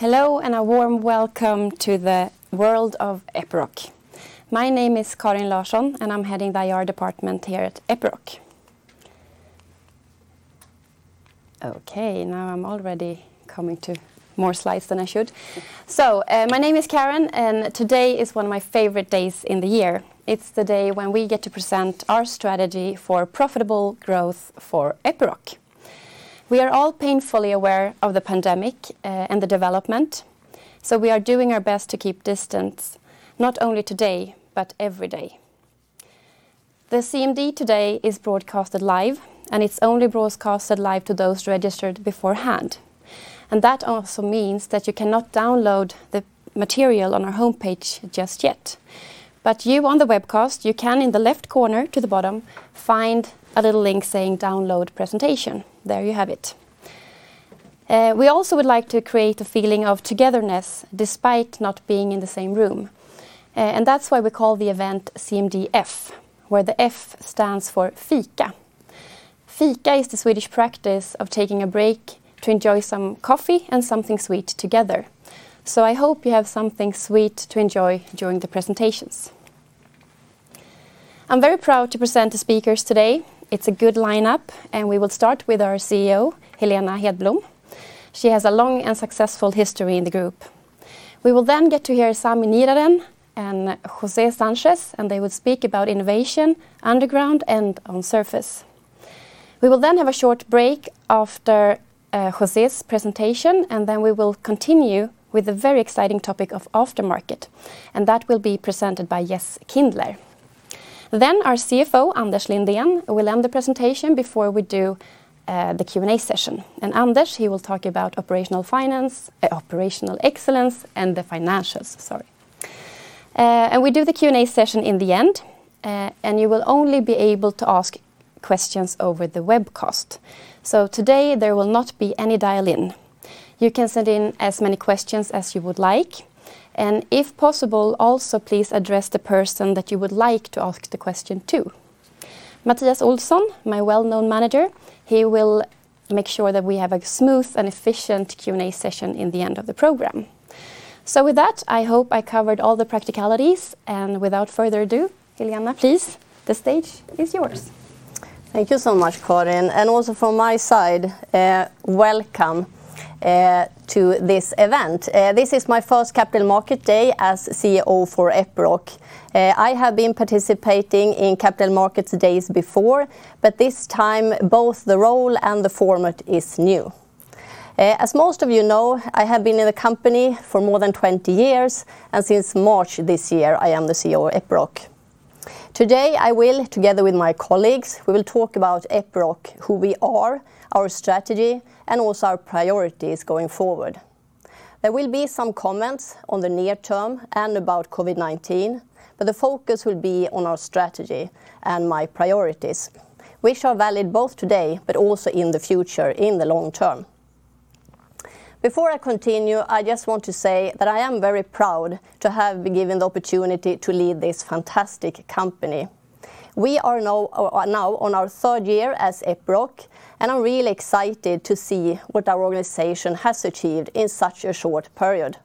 Hello, a warm welcome to the world of Epiroc. My name is Karin Larsson, and I'm heading the IR department here at Epiroc. Okay, now I'm already coming to more slides than I should. My name is Karin, and today is one of my favorite days in the year. It's the day when we get to present our strategy for profitable growth for Epiroc. We are all painfully aware of the pandemic and the development, so we are doing our best to keep distance, not only today but every day. The CMD today is broadcasted live, and it's only broadcasted live to those registered beforehand. That also means that you cannot download the material on our homepage just yet. You on the webcast, you can, in the left corner to the bottom, find a little link saying "download presentation." There you have it. We also would like to create a feeling of togetherness despite not being in the same room, and that's why we call the event CMD F, where the F stands for fika. Fika is the Swedish practice of taking a break to enjoy some coffee and something sweet together. I hope you have something sweet to enjoy during the presentations. I'm very proud to present the speakers today. It's a good lineup. We will start with our CEO, Helena Hedblom. She has a long and successful history in the group. We will get to hear Sami Niiranen and José Sanchez. They will speak about innovation underground and on surface. We will have a short break after José's presentation. We will continue with the very exciting topic of aftermarket. That will be presented by Jess Kindler. Our CFO, Anders Lindén, will end the presentation before we do the Q&A session. Anders, he will talk about operational excellence and the financials. We do the Q&A session in the end, and you will only be able to ask questions over the webcast. Today, there will not be any dial-in. You can send in as many questions as you would like, and if possible, also please address the person that you would like to ask the question to. Mattias Olsson, my well-known manager, he will make sure that we have a smooth and efficient Q&A session in the end of the program. With that, I hope I covered all the practicalities. Without further ado, Helena, please, the stage is yours. Thank you so much, Karin. Also from my side, welcome to this event. This is my first Capital Market Day as CEO for Epiroc. I have been participating in Capital Markets Days before, but this time, both the role and the format is new. As most of you know, I have been in the company for more than 20 years, and since March this year, I am the CEO of Epiroc. Today, together with my colleagues, we will talk about Epiroc, who we are, our strategy, and also our priorities going forward. There will be some comments on the near term and about COVID-19, but the focus will be on our strategy and my priorities, which are valid both today but also in the future, in the long term. Before I continue, I just want to say that I am very proud to have been given the opportunity to lead this fantastic company. We are now on our third year as Epiroc, and I'm really excited to see what our organization has achieved in such a short period.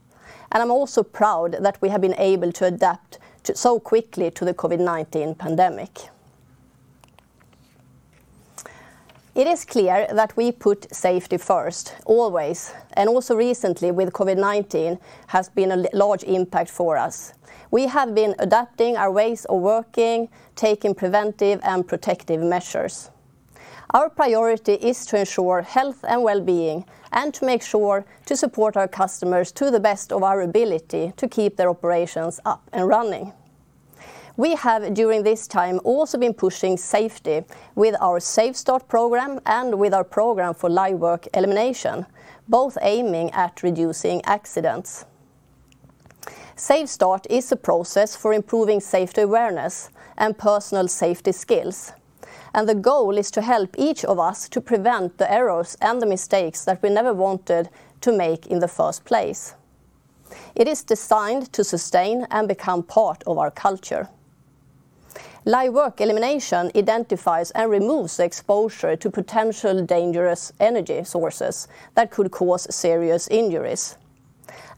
I'm also proud that we have been able to adapt so quickly to the COVID-19 pandemic. It is clear that we put safety first, always, and also recently with COVID-19 has been a large impact for us. We have been adapting our ways of working, taking preventive and protective measures. Our priority is to ensure health and wellbeing and to make sure to support our customers to the best of our ability to keep their operations up and running. We have, during this time, also been pushing safety with our SafeStart program and with our program for Live Work Elimination, both aiming at reducing accidents. SafeStart is a process for improving safety awareness and personal safety skills, and the goal is to help each of us to prevent the errors and the mistakes that we never wanted to make in the first place. It is designed to sustain and become part of our culture. Live work elimination identifies and removes the exposure to potential dangerous energy sources that could cause serious injuries.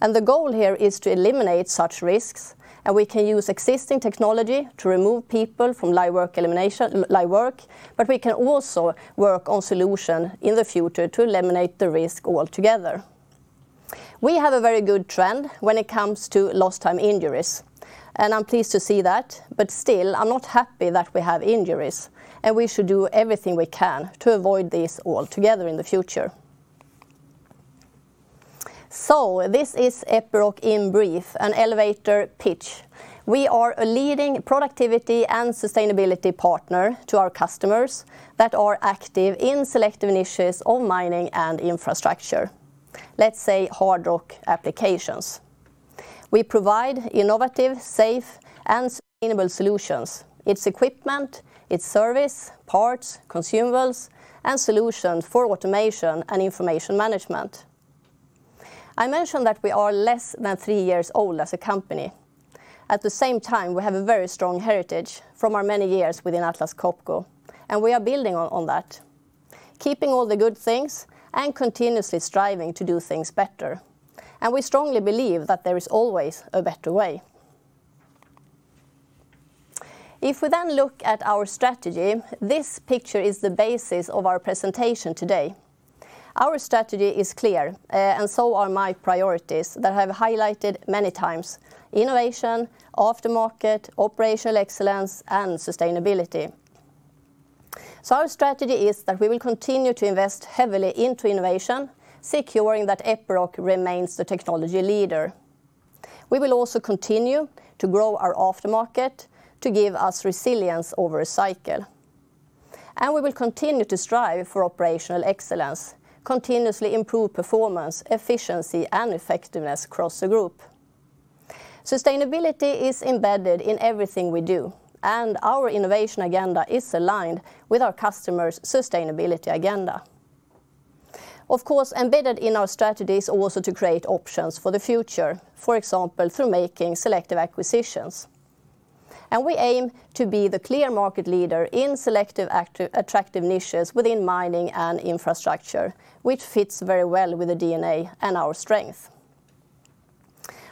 The goal here is to eliminate such risks, and we can use existing technology to remove people from live work, but we can also work on solution in the future to eliminate the risk altogether. We have a very good trend when it comes to lost time injuries, and I'm pleased to see that, but still, I'm not happy that we have injuries, and we should do everything we can to avoid this altogether in the future. This is Epiroc in brief, an elevator pitch. We are a leading productivity and sustainability partner to our customers that are active in selective niches of mining and infrastructure. Let's say hard rock applications. We provide innovative, safe, and sustainable solutions. It's equipment, it's service, parts, consumables, and solution for automation and information management. I mentioned that we are less than three years old as a company. At the same time, we have a very strong heritage from our many years within Atlas Copco, and we are building on that, keeping all the good things and continuously striving to do things better. We strongly believe that there is always a better way. If we look at our strategy, this picture is the basis of our presentation today. Our strategy is clear, and so are my priorities that I have highlighted many times: innovation, aftermarket, operational excellence, and sustainability. Our strategy is that we will continue to invest heavily into innovation, securing that Epiroc remains the technology leader. We will also continue to grow our aftermarket to give us resilience over a cycle. We will continue to strive for operational excellence, continuously improve performance, efficiency, and effectiveness across the group. Sustainability is embedded in everything we do, and our innovation agenda is aligned with our customers' sustainability agenda. Of course, embedded in our strategy is also to create options for the future, for example, through making selective acquisitions. We aim to be the clear market leader in selective attractive niches within mining and infrastructure, which fits very well with the DNA and our strength.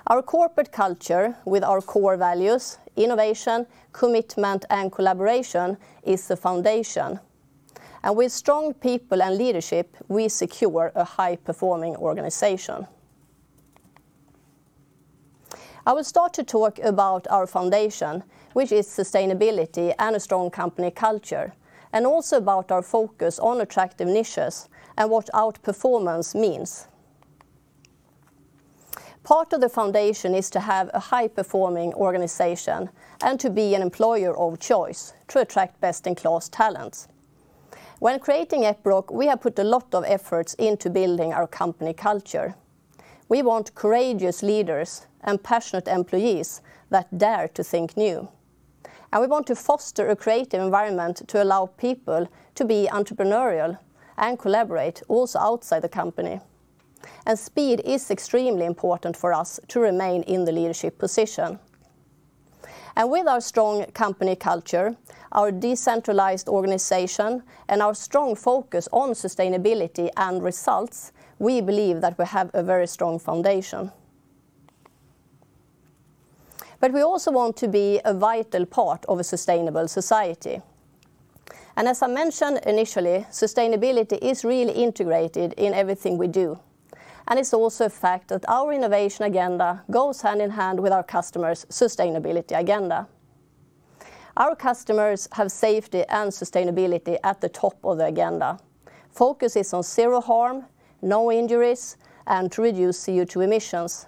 Our corporate culture with our core values, innovation, commitment, and collaboration is the foundation. With strong people and leadership, we secure a high-performing organization. I will start to talk about our foundation, which is sustainability and a strong company culture, and also about our focus on attractive niches and what outperformance means. Part of the foundation is to have a high-performing organization and to be an employer of choice to attract best-in-class talents. When creating Epiroc, we have put a lot of efforts into building our company culture. We want courageous leaders and passionate employees that dare to think new. We want to foster a creative environment to allow people to be entrepreneurial and collaborate also outside the company. Speed is extremely important for us to remain in the leadership position. With our strong company culture, our decentralized organization, and our strong focus on sustainability and results, we believe that we have a very strong foundation. We also want to be a vital part of a sustainable society. As I mentioned initially, sustainability is really integrated in everything we do, and it's also a fact that our innovation agenda goes hand in hand with our customer's sustainability agenda. Our customers have safety and sustainability at the top of the agenda. Focus is on zero harm, no injuries, and to reduce CO2 emissions.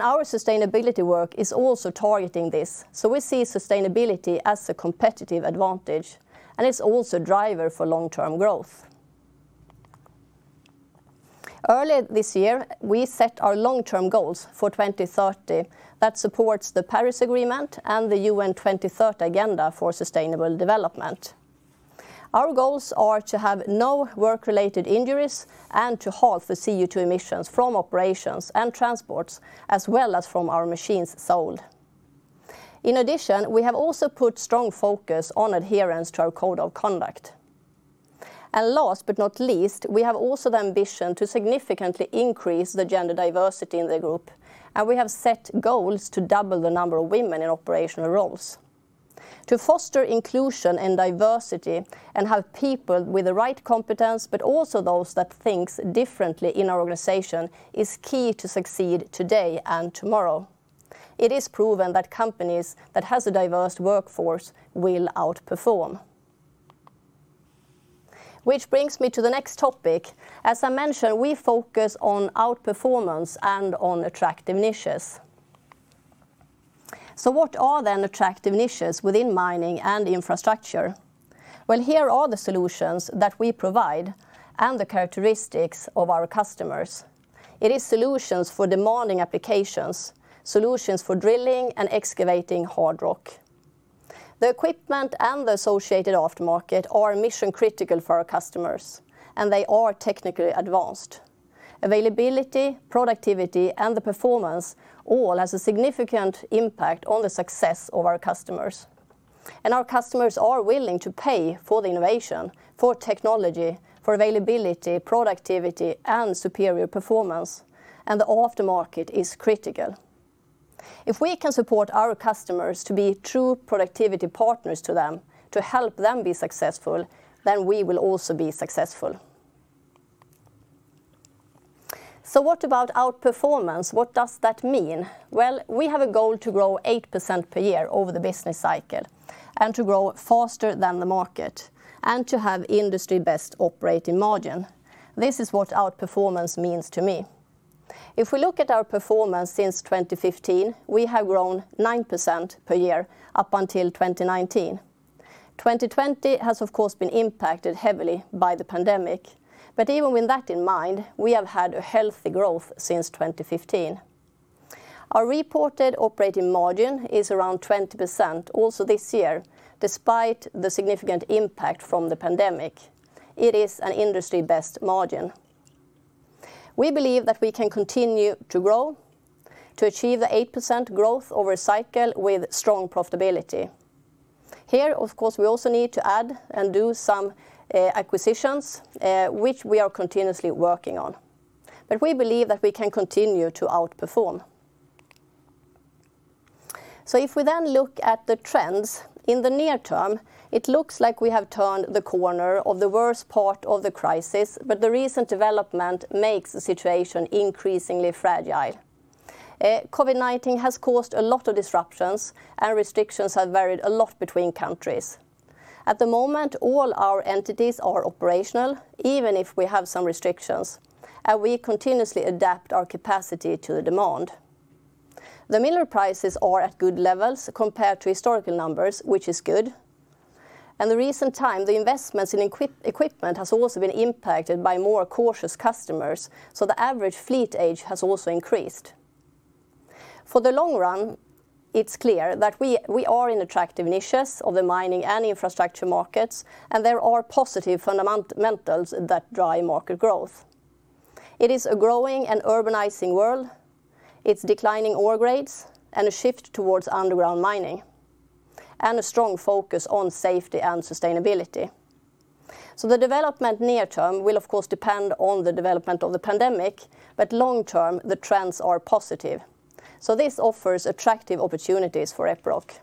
Our sustainability work is also targeting this. We see sustainability as a competitive advantage, and it's also a driver for long-term growth. Earlier this year, we set our long-term goals for 2030 that supports the Paris Agreement and the UN 2030 Agenda for Sustainable Development. Our goals are to have no work-related injuries and to halve the CO2 emissions from operations and transports as well as from our machines sold. In addition, we have also put strong focus on adherence to our code of conduct. Last but not least, we have also the ambition to significantly increase the gender diversity in the group, and we have set goals to double the number of women in operational roles. To foster inclusion and diversity and have people with the right competence, but also those that think differently in our organization is key to succeed today and tomorrow. It is proven that companies that have a diverse workforce will outperform. Brings me to the next topic. As I mentioned, we focus on outperformance and on attractive niches. What are then attractive niches within mining and infrastructure? Here are the solutions that we provide and the characteristics of our customers. It is solutions for demanding applications, solutions for drilling and excavating hard rock. The equipment and the associated aftermarket are mission-critical for our customers, and they are technically advanced. Availability, productivity, and the performance all has a significant impact on the success of our customers. Our customers are willing to pay for the innovation, for technology, for availability, productivity, and superior performance, and the aftermarket is critical. If we can support our customers to be true productivity partners to them to help them be successful, then we will also be successful. What about outperformance? What does that mean? Well, we have a goal to grow 8% per year over the business cycle and to grow faster than the market and to have industry-best operating margin. This is what outperformance means to me. If we look at our performance since 2015, we have grown 9% per year up until 2019. 2020 has, of course, been impacted heavily by the pandemic. Even with that in mind, we have had a healthy growth since 2015. Our reported operating margin is around 20% also this year, despite the significant impact from the pandemic. It is an industry-best margin. We believe that we can continue to grow to achieve the 8% growth over cycle with strong profitability. Here, of course, we also need to add and do some acquisitions, which we are continuously working on. We believe that we can continue to outperform. If we then look at the trends in the near term, it looks like we have turned the corner of the worst part of the crisis, but the recent development makes the situation increasingly fragile. COVID-19 has caused a lot of disruptions, and restrictions have varied a lot between countries. At the moment, all our entities are operational, even if we have some restrictions, and we continuously adapt our capacity to the demand. The mineral prices are at good levels compared to historical numbers, which is good. In the recent time, the investments in equipment has also been impacted by more cautious customers, so the average fleet age has also increased. For the long run, it's clear that we are in attractive niches of the mining and infrastructure markets, and there are positive fundamentals that drive market growth. It is a growing and urbanizing world. It's declining ore grades and a shift towards underground mining, and a strong focus on safety and sustainability. The development near term will of course depend on the development of the pandemic, but long term, the trends are positive. This offers attractive opportunities for Epiroc.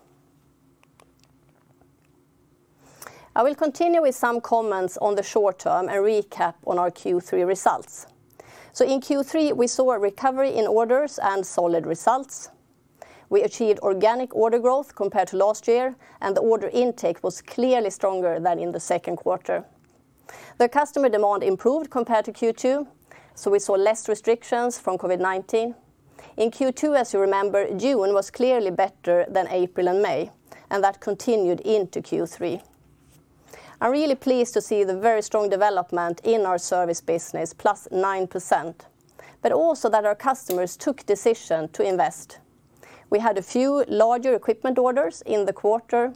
I will continue with some comments on the short term and recap on our Q3 results. In Q3, we saw a recovery in orders and solid results. We achieved organic order growth compared to last year, and the order intake was clearly stronger than in the second quarter. The customer demand improved compared to Q2, so we saw less restrictions from COVID-19. In Q2, as you remember, June was clearly better than April and May, and that continued into Q3. I'm really pleased to see the very strong development in our service business, plus 9%, but also that our customers took decision to invest. We had a few larger equipment orders in the quarter,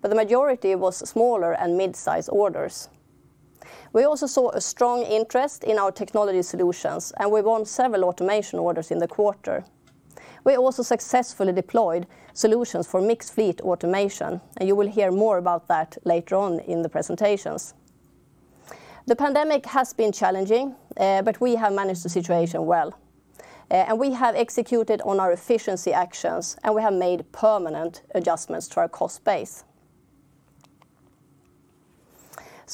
but the majority was smaller and mid-size orders. We also saw a strong interest in our technology solutions, and we won several automation orders in the quarter. We also successfully deployed solutions for mixed fleet automation, and you will hear more about that later on in the presentations. The pandemic has been challenging, but we have managed the situation well, and we have executed on our efficiency actions, and we have made permanent adjustments to our cost base.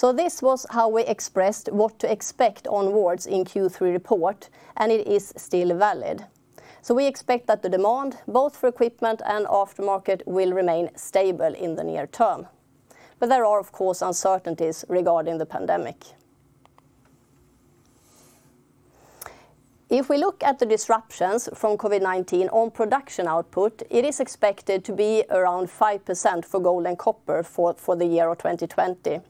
This was how we expressed what to expect onwards in Q3 report, and it is still valid. We expect that the demand, both for equipment and aftermarket, will remain stable in the near term. There are of course uncertainties regarding the pandemic. If we look at the disruptions from COVID-19 on production output, it is expected to be around 5% for gold and copper for the year of 2020.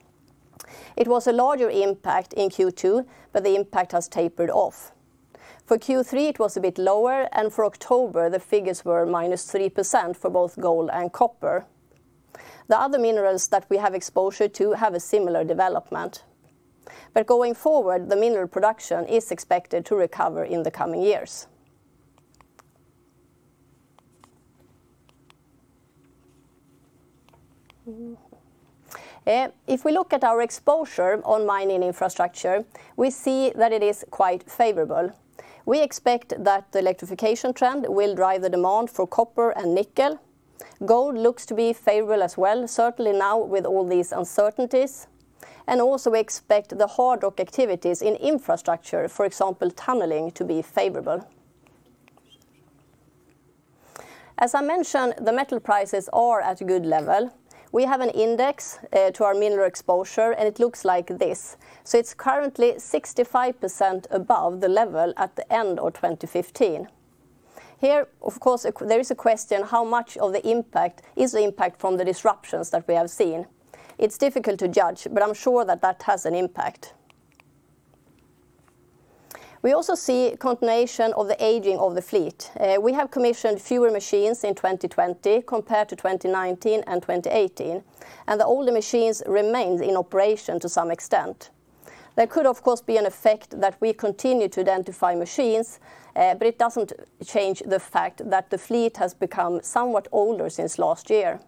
It was a larger impact in Q2, but the impact has tapered off. For Q3, it was a bit lower, and for October, the figures were minus 3% for both gold and copper. The other minerals that we have exposure to have a similar development. Going forward, the mineral production is expected to recover in the coming years. If we look at our exposure on mining infrastructure, we see that it is quite favorable. We expect that the electrification trend will drive the demand for copper and nickel. Gold looks to be favorable as well, certainly now with all these uncertainties, and also we expect the hard rock activities in infrastructure, for example, tunneling, to be favorable. As I mentioned, the metal prices are at a good level. We have an index to our mineral exposure. It looks like this. It's currently 65% above the level at the end of 2015. Here, of course, there is a question how much of the impact is the impact from the disruptions that we have seen. It's difficult to judge. I'm sure that that has an impact. We also see continuation of the aging of the fleet. We have commissioned fewer machines in 2020 compared to 2019 and 2018. The older machines remain in operation to some extent. There could of course be an effect that we continue to identify machines, but it doesn't change the fact that the fleet has become somewhat older since last year.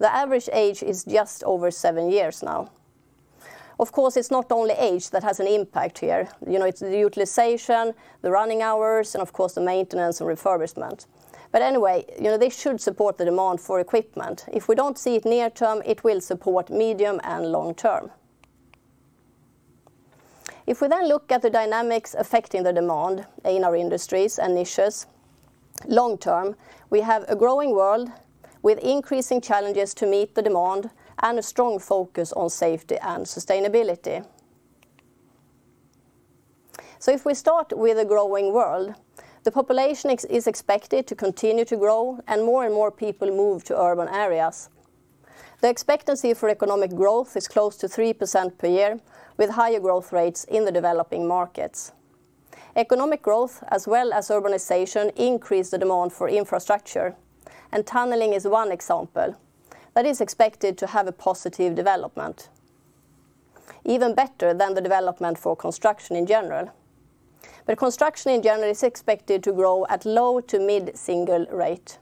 The average age is just over seven years now. Of course, it's not only age that has an impact here. It's the utilization, the running hours, and of course the maintenance and refurbishment. Anyway, this should support the demand for equipment. If we don't see it near term, it will support medium and long term. If we look at the dynamics affecting the demand in our industries and niches long term, we have a growing world with increasing challenges to meet the demand and a strong focus on safety and sustainability. If we start with a growing world, the population is expected to continue to grow and more and more people move to urban areas. The expectancy for economic growth is close to 3% per year, with higher growth rates in the developing markets. Economic growth as well as urbanization increase the demand for infrastructure, and tunneling is one example that is expected to have a positive development, even better than the development for construction in general. Construction in general is expected to grow at low to mid-single rate.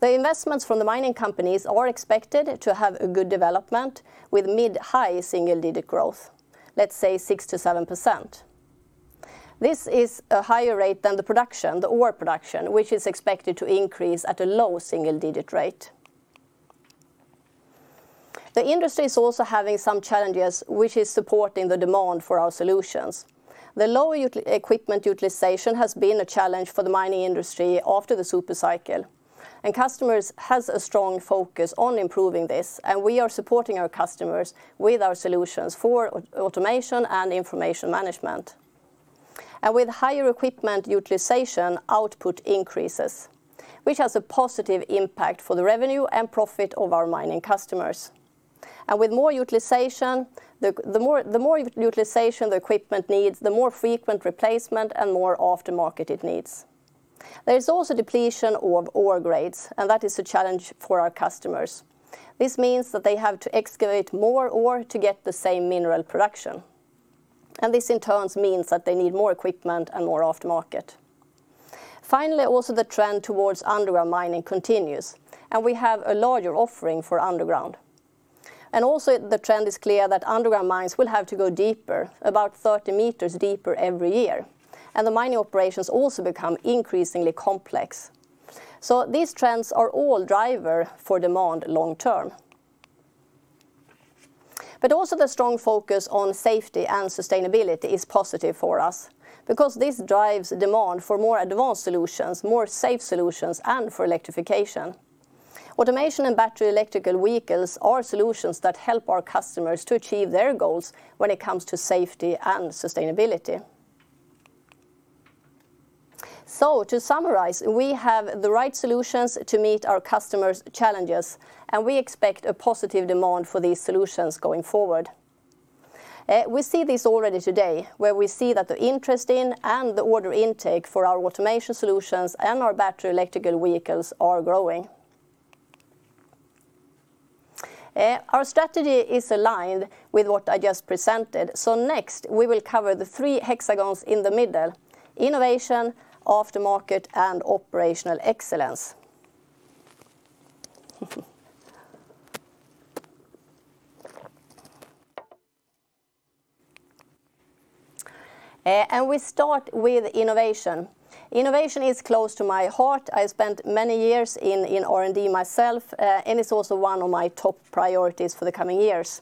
The investments from the mining companies are expected to have a good development with mid-high single-digit growth, let's say 6%-7%. This is a higher rate than the ore production, which is expected to increase at a low single-digit rate. The industry is also having some challenges, which is supporting the demand for our solutions. The low equipment utilization has been a challenge for the mining industry after the super cycle. Customers has a strong focus on improving this. We are supporting our customers with our solutions for automation and information management. With higher equipment utilization, output increases, which has a positive impact for the revenue and profit of our mining customers. The more utilization the equipment needs, the more frequent replacement and more aftermarket it needs. There is also depletion of ore grades, and that is a challenge for our customers. This means that they have to excavate more ore to get the same mineral production. This in turn means that they need more equipment and more aftermarket. Finally, also the trend towards underground mining continues. We have a larger offering for underground. Also the trend is clear that underground mines will have to go deeper, about 30 meters deeper every year. The mining operations also become increasingly complex. These trends are all driver for demand long term. Also the strong focus on safety and sustainability is positive for us because this drives demand for more advanced solutions, more safe solutions, and for electrification. Automation and battery electric vehicles are solutions that help our customers to achieve their goals when it comes to safety and sustainability. To summarize, we have the right solutions to meet our customers' challenges, and we expect a positive demand for these solutions going forward. We see this already today, where we see that the interest in and the order intake for our automation solutions and our battery electric vehicles are growing. Our strategy is aligned with what I just presented. Next, we will cover the three hexagons in the middle: innovation, aftermarket, and operational excellence. We start with innovation. Innovation is close to my heart. I spent many years in R&D myself, and it's also one of my top priorities for the coming years.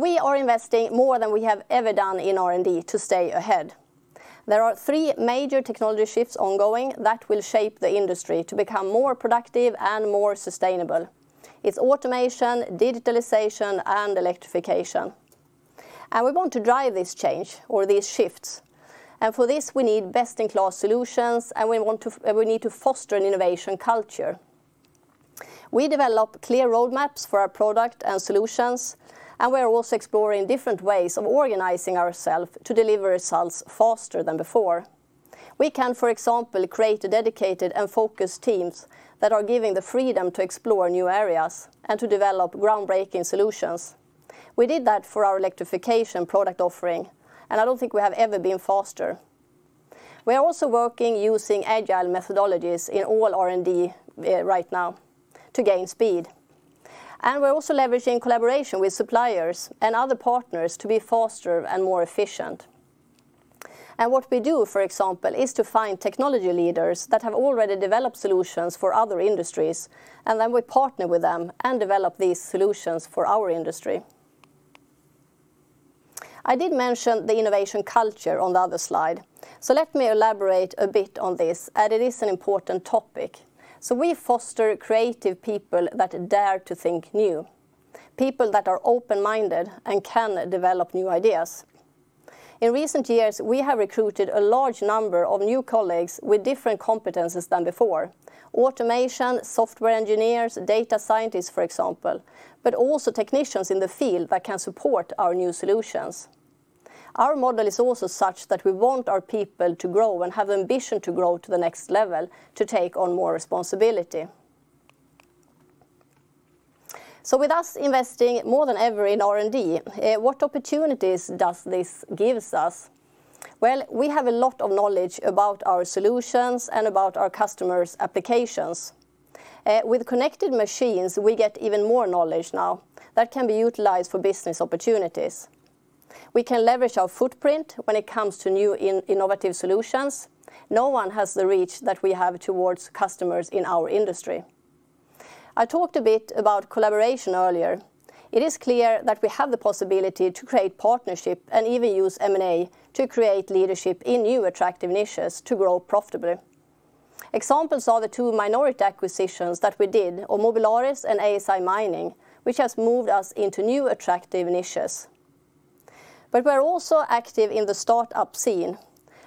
We are investing more than we have ever done in R&D to stay ahead. There are three major technology shifts ongoing that will shape the industry to become more productive and more sustainable. It's automation, digitalization, and electrification. We want to drive this change or these shifts. For this, we need best-in-class solutions, and we need to foster an innovation culture. We develop clear roadmaps for our product and solutions, and we are also exploring different ways of organizing ourself to deliver results faster than before. We can, for example, create dedicated and focused teams that are given the freedom to explore new areas and to develop groundbreaking solutions. We did that for our electrification product offering. I don't think we have ever been faster. We are also working using agile methodologies in all R&D right now to gain speed. We're also leveraging collaboration with suppliers and other partners to be faster and more efficient. What we do, for example, is to find technology leaders that have already developed solutions for other industries, and then we partner with them and develop these solutions for our industry. I did mention the innovation culture on the other slide. Let me elaborate a bit on this, and it is an important topic. We foster creative people that dare to think new, people that are open-minded and can develop new ideas. In recent years, we have recruited a large number of new colleagues with different competencies than before. Automation, software engineers, data scientists, for example, but also technicians in the field that can support our new solutions. Our model is also such that we want our people to grow and have the ambition to grow to the next level to take on more responsibility. With us investing more than ever in R&D, what opportunities does this give us? Well, we have a lot of knowledge about our solutions and about our customers' applications. With connected machines, we get even more knowledge now that can be utilized for business opportunities. We can leverage our footprint when it comes to new innovative solutions. No one has the reach that we have towards customers in our industry. I talked a bit about collaboration earlier. It is clear that we have the possibility to create partnership and even use M&A to create leadership in new attractive niches to grow profitably. Examples are the two minority acquisitions that we did of Mobilaris and ASI Mining, which has moved us into new attractive niches. We are also active in the startup scene.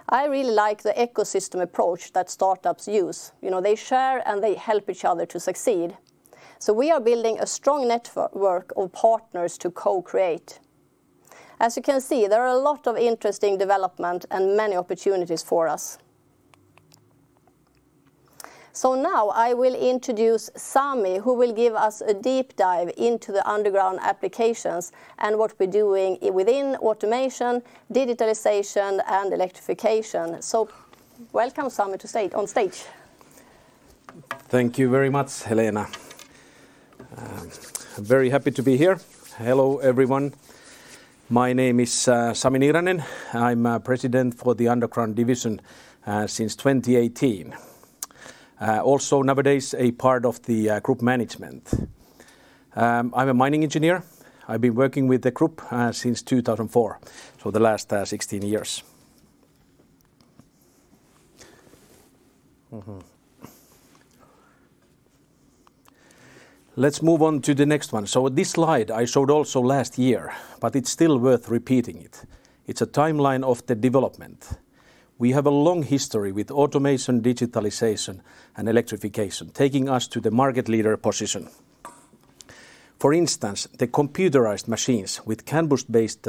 I really like the ecosystem approach that startups use. They share and they help each other to succeed. We are building a strong network of partners to co-create. As you can see, there are a lot of interesting development and many opportunities for us. Now I will introduce Sami, who will give us a deep dive into the underground applications and what we're doing within automation, digitalization, and electrification. Welcome, Sami, to on stage. Thank you very much, Helena. Very happy to be here. Hello, everyone. My name is Sami Niiranen. I'm President for the Underground division since 2018. Also nowadays a part of the group management. I'm a mining engineer. I've been working with the group since 2004, so the last 16 years. Let's move on to the next one. This slide I showed also last year, but it's still worth repeating it. It's a timeline of the development. We have a long history with automation, digitalization, and electrification, taking us to the market leader position. For instance, the computerized machines with CAN bus based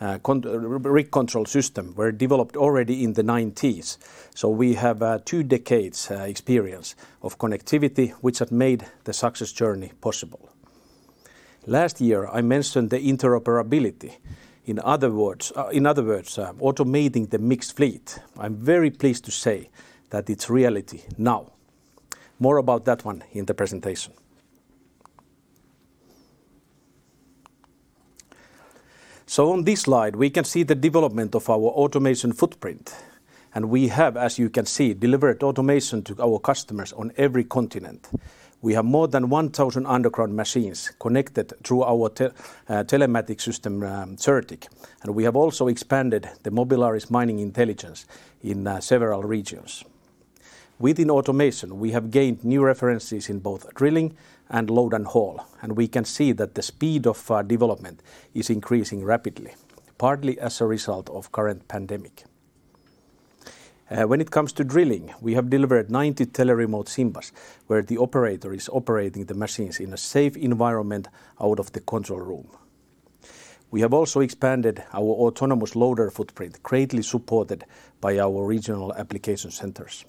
Rig Control System were developed already in the 1990s. We have two decades experience of connectivity, which have made the success journey possible. Last year, I mentioned the interoperability. In other words, automating the mixed fleet. I'm very pleased to say that it's reality now. More about that one in the presentation. On this slide, we can see the development of our automation footprint, and we have, as you can see, delivered automation to our customers on every continent. We have more than 1,000 underground machines connected through our telematics system, Certiq, and we have also expanded the Mobilaris Mining Intelligence in several regions. Within automation, we have gained new references in both drilling and load and haul, and we can see that the speed of development is increasing rapidly, partly as a result of current pandemic. When it comes to drilling, we have delivered 90 teleremote Simbas, where the operator is operating the machines in a safe environment out of the control room. We have also expanded our autonomous loader footprint, greatly supported by our regional application centers.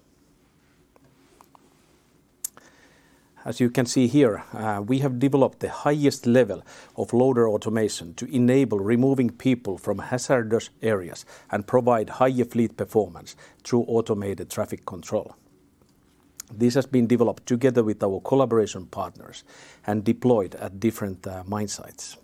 As you can see here, we have developed the highest level of loader automation to enable removing people from hazardous areas and provide higher fleet performance through automated traffic control. This has been developed together with our collaboration partners and deployed at different mine sites.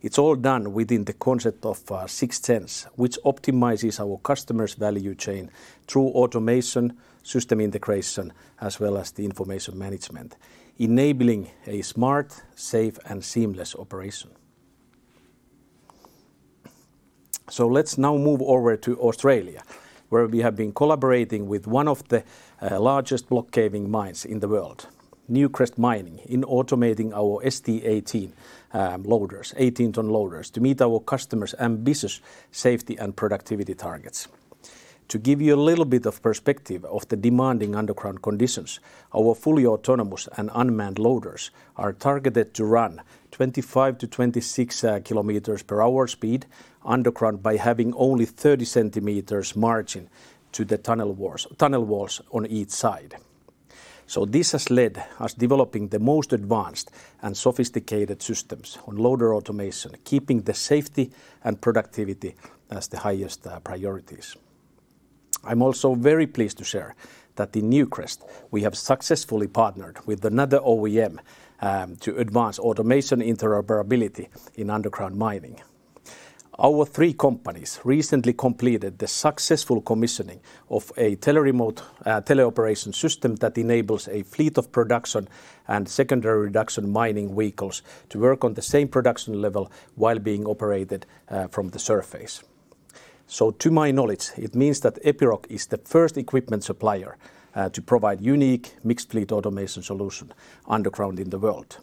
It's all done within the concept of 6th Sense, which optimizes our customers value chain through automation, system integration, as well as the information management, enabling a smart, safe, and seamless operation. Let's now move over to Australia, where we have been collaborating with one of the largest block caving mines in the world, Newcrest Mining, in automating our ST18 loaders, 18-ton loaders, to meet our customers ambitious safety and productivity targets. To give you a little bit of perspective of the demanding underground conditions, our fully autonomous and unmanned loaders are targeted to run 25 to 26 km per hour speed underground by having only 30 centimeters margin to the tunnel walls on each side. This has led us developing the most advanced and sophisticated systems on loader automation, keeping the safety and productivity as the highest priorities. I'm also very pleased to share that in Newcrest, we have successfully partnered with another OEM to advance automation interoperability in underground mining. Our three companies recently completed the successful commissioning of a teleoperation system that enables a fleet of production and secondary reduction mining vehicles to work on the same production level while being operated from the surface. To my knowledge, it means that Epiroc is the first equipment supplier to provide unique mixed fleet automation solution underground in the world.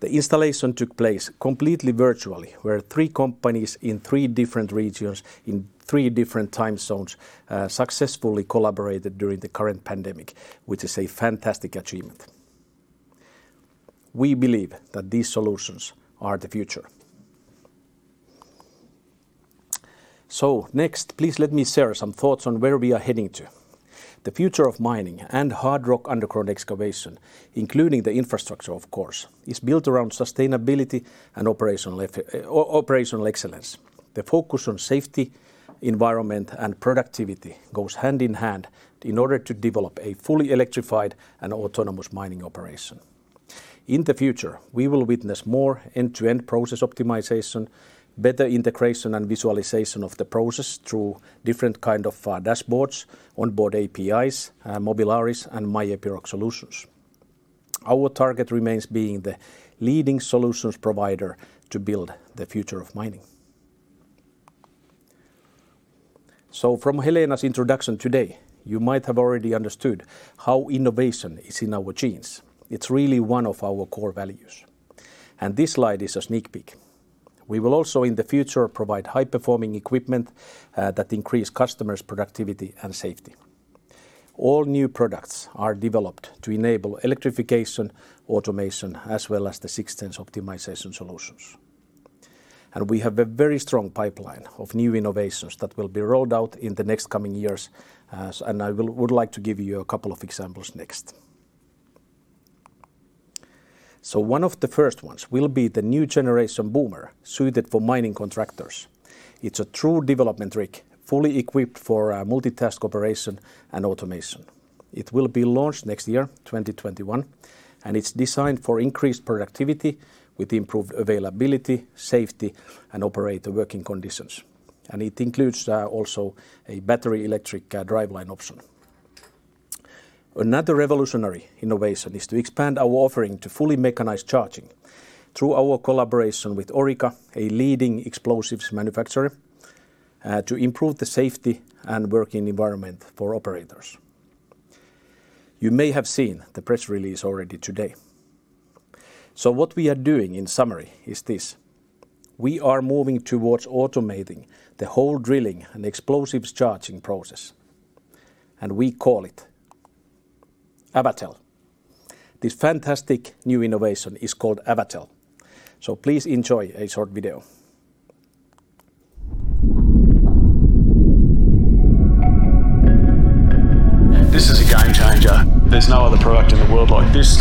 The installation took place completely virtually, where three companies in three different regions in three different time zones successfully collaborated during the current pandemic, which is a fantastic achievement. We believe that these solutions are the future. Next, please let me share some thoughts on where we are heading to. The future of mining and hard rock underground excavation, including the infrastructure, of course, is built around sustainability and operational excellence. The focus on safety, environment, and productivity goes hand in hand in order to develop a fully electrified and autonomous mining operation. In the future, we will witness more end-to-end process optimization, better integration and visualization of the process through different kind of dashboards, onboard APIs, Mobilaris, and My Epiroc solutions. Our target remains being the leading solutions provider to build the future of mining. From Helena's introduction today, you might have already understood how innovation is in our genes. It's really one of our core values. This slide is a sneak peek. We will also, in the future, provide high-performing equipment that increase customers' productivity and safety. All new products are developed to enable electrification, automation, as well as the 6th Sense optimization solutions. We have a very strong pipeline of new innovations that will be rolled out in the next coming years. I would like to give you a couple of examples next. One of the first ones will be the new generation Boomer suited for mining contractors. It's a true development rig, fully equipped for multitask operation and automation. It will be launched next year, 2021. It's designed for increased productivity with improved availability, safety, and operator working conditions. It includes, also, a battery electric driveline option. Another revolutionary innovation is to expand our offering to fully mechanized charging through our collaboration with Orica, a leading explosives manufacturer, to improve the safety and working environment for operators. You may have seen the press release already today. What we are doing in summary is this. We are moving towards automating the whole drilling and explosives charging process, and we call it Avatel. This fantastic new innovation is called Avatel. Please enjoy a short video. This is a game changer. There's no other product in the world like this.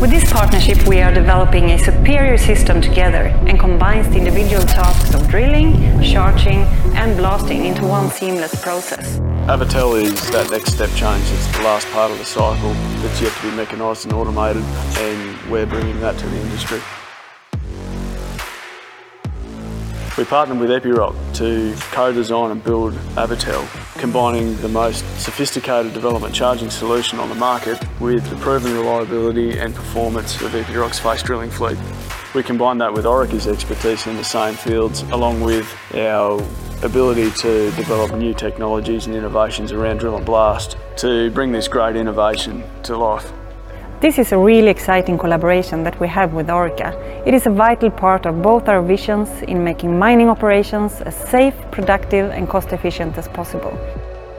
With this partnership, we are developing a superior system together and combines the individual tasks of drilling, charging, and blasting into one seamless process. Avatel is that next step change. It's the last part of the cycle that's yet to be mechanized and automated, and we're bringing that to the industry. We partnered with Epiroc to co-design and build Avatel, combining the most sophisticated development charging solution on the market with the proven reliability and performance of Epiroc's face drilling fleet. We combine that with Orica's expertise in the same fields, along with our ability to develop new technologies and innovations around drill and blast to bring this great innovation to life. This is a really exciting collaboration that we have with Orica. It is a vital part of both our visions in making mining operations as safe, productive, and cost efficient as possible.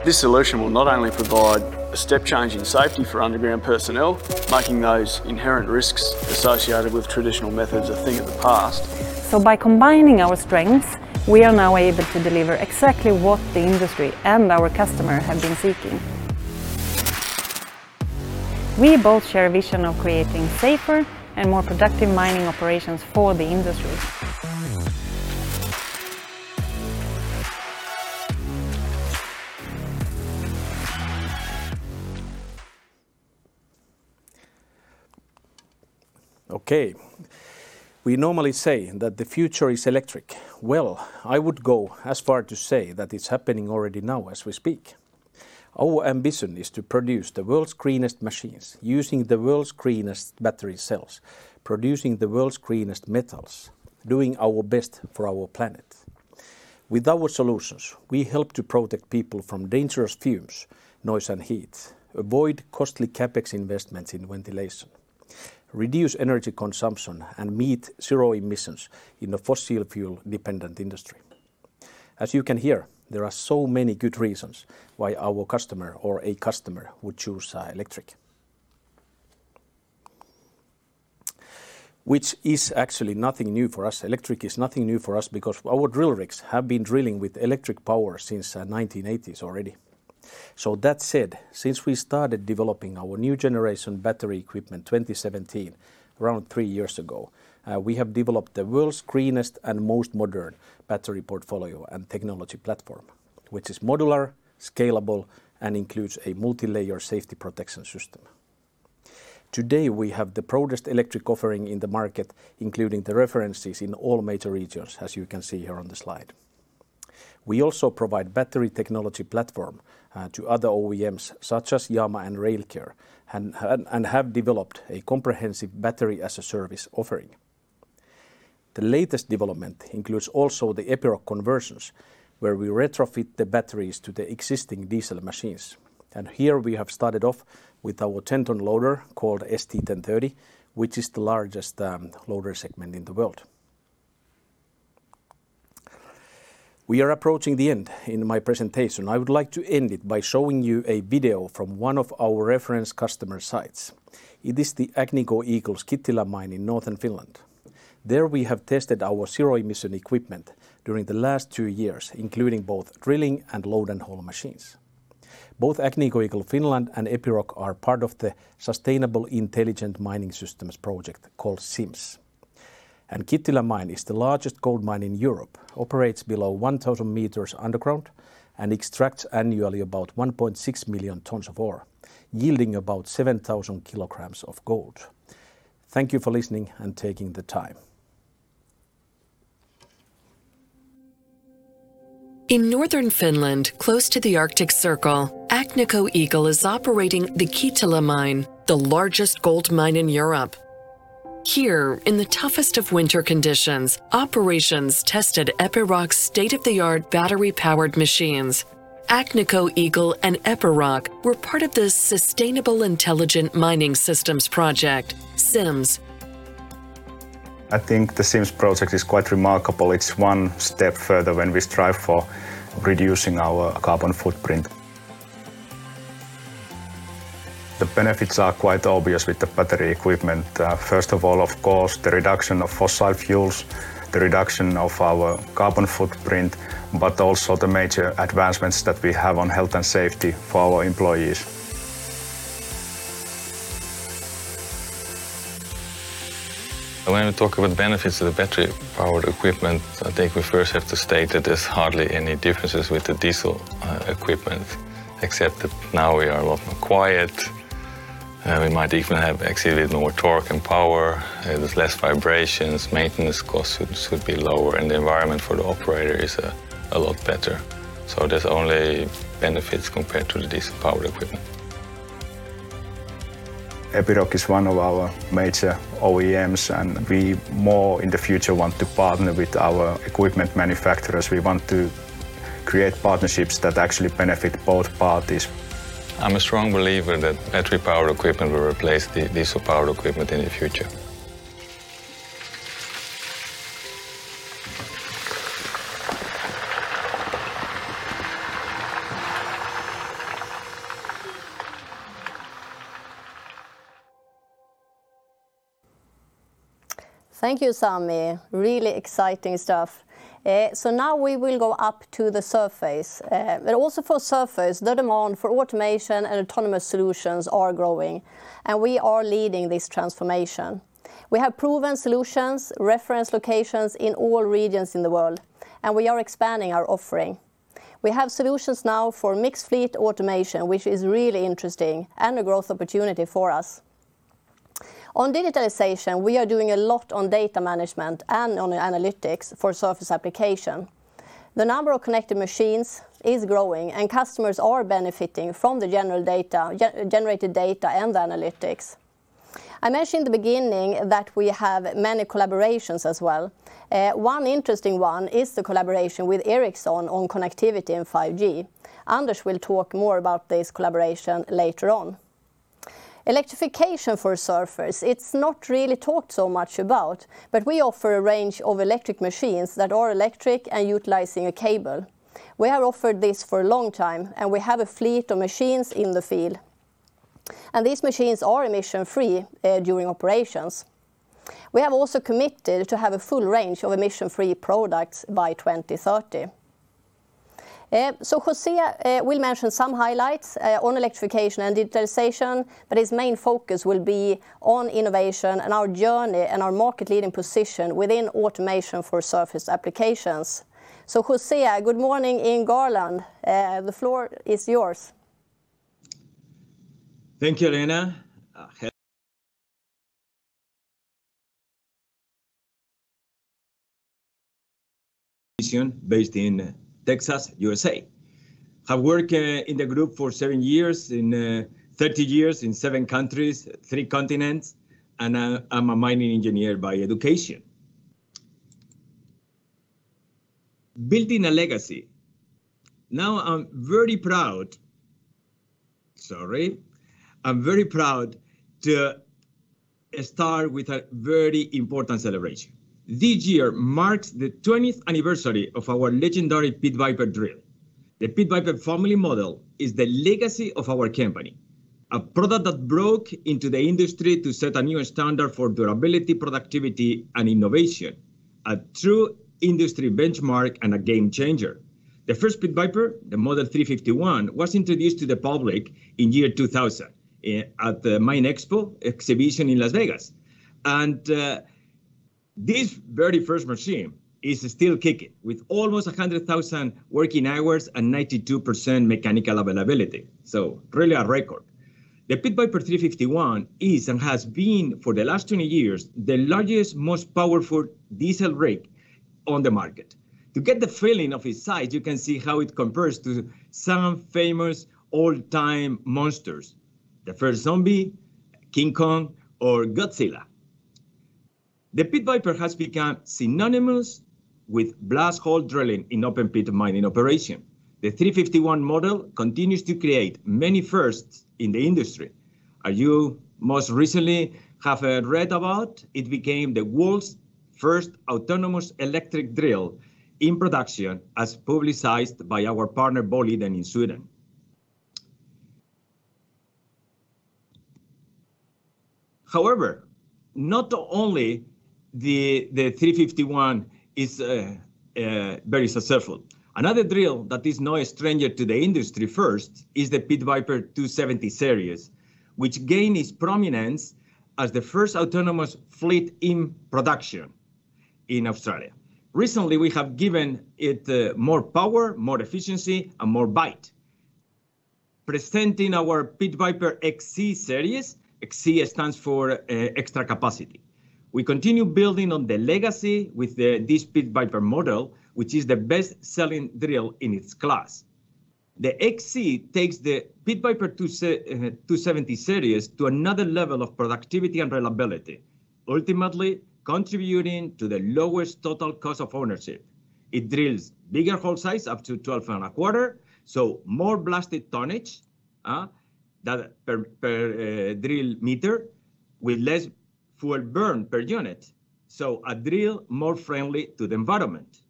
This solution will not only provide a step change in safety for underground personnel, making those inherent risks associated with traditional methods a thing of the past. By combining our strengths, we are now able to deliver exactly what the industry and our customer have been seeking. We both share a vision of creating safer and more productive mining operations for the industry. Okay. We normally say that the future is electric. Well, I would go as far to say that it's happening already now as we speak. Our ambition is to produce the world's greenest machines using the world's greenest battery cells, producing the world's greenest metals, doing our best for our planet. With our solutions, we help to protect people from dangerous fumes, noise, and heat, avoid costly CapEx investments in ventilation, reduce energy consumption, and meet zero emissions in the fossil fuel-dependent industry. As you can hear, there are so many good reasons why our customer or a customer would choose electric. Which is actually nothing new for us. Electric is nothing new for us because our drill rigs have been drilling with electric power since 1980s already. That said, since we started developing our new generation battery equipment 2017, around three years ago, we have developed the world's greenest and most modern battery portfolio and technology platform, which is modular, scalable, and includes a multilayer safety protection system. Today, we have the broadest electric offering in the market, including the references in all major regions, as you can see here on the slide. We also provide battery technology platform to other OEMs such as Jama and Railcare and have developed a comprehensive Batteries as a Service offering. The latest development includes also the Epiroc conversions, where we retrofit the batteries to the existing diesel machines. Here we have started off with our 10-ton loader called ST1030, which is the largest loader segment in the world. We are approaching the end in my presentation. I would like to end it by showing you a video from one of our reference customer sites. It is the Agnico Eagle's Kittilä Mine in Northern Finland. There, we have tested our zero-emission equipment during the last two years, including both drilling and load and haul machines. Both Agnico Eagle Finland and Epiroc are part of the Sustainable Intelligent Mining Systems project called SIMS. Kittilä Mine is the largest gold mine in Europe, operates below 1,000 meters underground, and extracts annually about 1.6 million tons of ore, yielding about 7,000 kilograms of gold. Thank you for listening and taking the time. In Northern Finland, close to the Arctic Circle, Agnico Eagle is operating the Kittilä Mine, the largest gold mine in Europe. Here in the toughest of winter conditions, operations tested Epiroc's state-of-the-art battery-powered machines. Agnico, Eagle, and Epiroc were part of the Sustainable Intelligent Mining Systems project, SIMS. I think the SIMS project is quite remarkable. It is one step further when we strive for reducing our carbon footprint. The benefits are quite obvious with the battery equipment. First of all, of course, the reduction of fossil fuels, the reduction of our carbon footprint, but also the major advancements that we have on health and safety for our employees. When we talk about benefits of the battery-powered equipment, I think we first have to state that there's hardly any differences with the diesel equipment, except that now we are a lot more quiet. We might even have actually more torque and power. There's less vibrations, maintenance costs should be lower, and the environment for the operator is a lot better. There's only benefits compared to the diesel-powered equipment. Epiroc is one of our major OEMs. We more in the future want to partner with our equipment manufacturers. We want to create partnerships that actually benefit both parties. I'm a strong believer that battery-powered equipment will replace the diesel-powered equipment in the future. Thank you, Sami. Really exciting stuff. Now we will go up to the surface. Also for surface, the demand for automation and autonomous solutions are growing, and we are leading this transformation. We have proven solutions, reference locations in all regions in the world, and we are expanding our offering. We have solutions now for mixed fleet automation, which is really interesting, and a growth opportunity for us. On digitalization, we are doing a lot on data management and on analytics for surface application. The number of connected machines is growing, and customers are benefiting from the generated data and the analytics. I mentioned in the beginning that we have many collaborations as well. One interesting one is the collaboration with Ericsson on connectivity and 5G. Anders will talk more about this collaboration later on. Electrification for surface, it's not really talked so much about, but we offer a range of electric machines that are electric and utilizing a cable. We have offered this for a long time, and we have a fleet of machines in the field. These machines are emission-free during operations. We have also committed to have a full range of emission-free products by 2030. José will mention some highlights on electrification and digitalization, but his main focus will be on innovation and our journey and our market-leading position within automation for surface applications. José, good morning in Garland. The floor is yours. Thank you, Lena. Based in Texas, U.S.A. I work in the group for seven years, in 30 years in seven countries, three continents, and I'm a mining engineer by education. Building a legacy. Now I'm very proud to start with a very important celebration. This year marks the 20th anniversary of our legendary Pit Viper drill. The Pit Viper family model is the legacy of our company, a product that broke into the industry to set a new standard for durability, productivity, and innovation. A true industry benchmark and a game changer. The first Pit Viper, the Model 351, was introduced to the public in year 2000 at the MINExpo INTERNATIONAL exhibition in Las Vegas. This very first machine is still kicking with almost 100,000 working hours and 92% mechanical availability. Really a record. The Pit Viper 351 is and has been for the last 20 years the largest, most powerful diesel rig on the market. To get the feeling of its size, you can see how it compares to some famous all-time monsters, the first Zombie, King Kong, or Godzilla. The Pit Viper has become synonymous with blast hole drilling in open pit mining operation. The 351 model continues to create many firsts in the industry. You most recently have read about it became the world's first autonomous electric drill in production, as publicized by our partner Boliden in Sweden. Not only the 351 is very successful. Another drill that is no stranger to the industry first is the Pit Viper 270 series, which gained its prominence as the first autonomous fleet in production in Australia. Recently, we have given it more power, more efficiency, and more bite. Presenting our Pit Viper XC series. XC stands for extra capacity. We continue building on the legacy with this Pit Viper model, which is the best-selling drill in its class. The XC takes the Pit Viper 270 series to another level of productivity and reliability, ultimately contributing to the lowest total cost of ownership. It drills bigger hole size up to 12.25, more blasted tonnage per drill meter with less fuel burn per unit. A drill more friendly to the environment.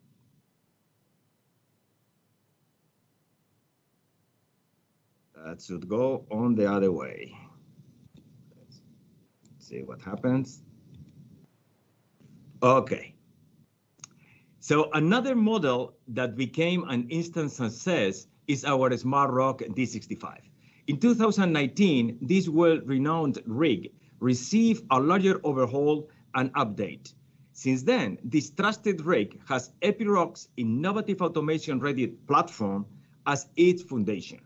That should go on the other way. Let's see what happens. Okay. Another model that became an instant success is our SmartROC D65. In 2019, this world-renowned rig received a larger overhaul and update. Since then, this trusted rig has Epiroc's innovative automation-ready platform as its foundation.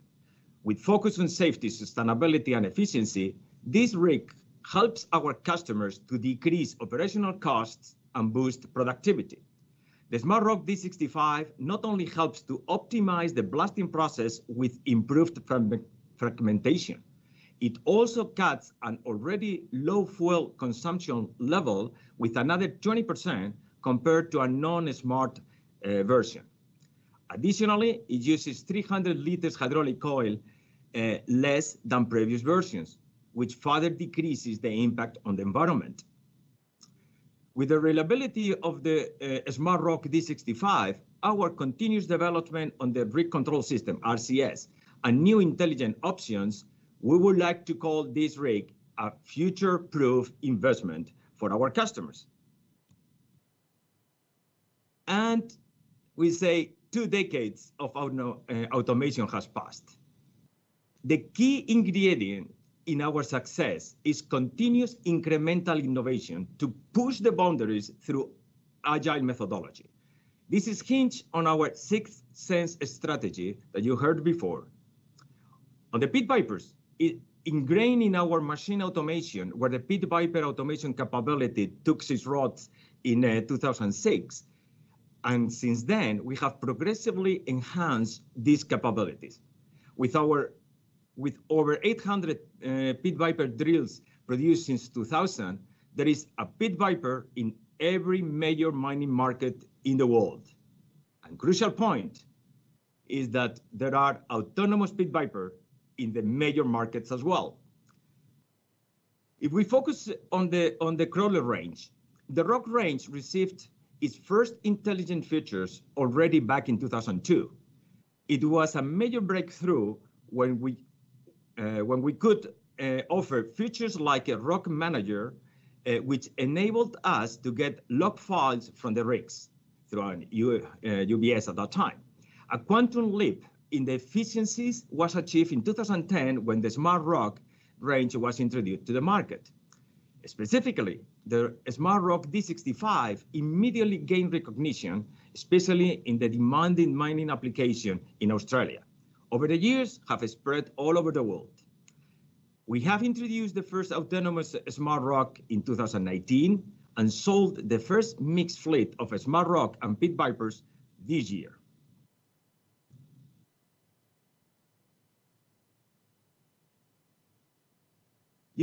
With focus on safety, sustainability, and efficiency, this rig helps our customers to decrease operational costs and boost productivity. The SmartROC D65 not only helps to optimize the blasting process with improved fragmentation, it also cuts an already low fuel consumption level with another 20% compared to a non-smart version. Additionally, it uses 300 liters hydraulic oil, less than previous versions, which further decreases the impact on the environment. With the reliability of the SmartROC D65, our continuous development on the Rig Control System, RCS, and new intelligent options, we would like to call this rig a future-proof investment for our customers. We say two decades of automation has passed. The key ingredient in our success is continuous incremental innovation to push the boundaries through agile methodology. This is hinged on our 6th Sense strategy that you heard before. On the Pit Vipers, it ingrained in our machine automation where the Pit Viper automation capability took its roots in 2006, and since then, we have progressively enhanced these capabilities. With over 800 Pit Viper drills produced since 2000, there is a Pit Viper in every major mining market in the world. Crucial point is that there are autonomous Pit Viper in the major markets as well. If we focus on the crawler range, the ROC range received its first intelligent features already back in 2002. It was a major breakthrough when we could offer features like a ROC Manager, which enabled us to get log files from the rigs through our USB at that time. A quantum leap in the efficiencies was achieved in 2010 when the SmartROC range was introduced to the market. Specifically, the SmartROC D65 immediately gained recognition, especially in the demanding mining application in Australia. Over the years, have spread all over the world. We have introduced the first autonomous SmartROC in 2019 and sold the first mixed fleet of SmartROC and Pit Vipers this year.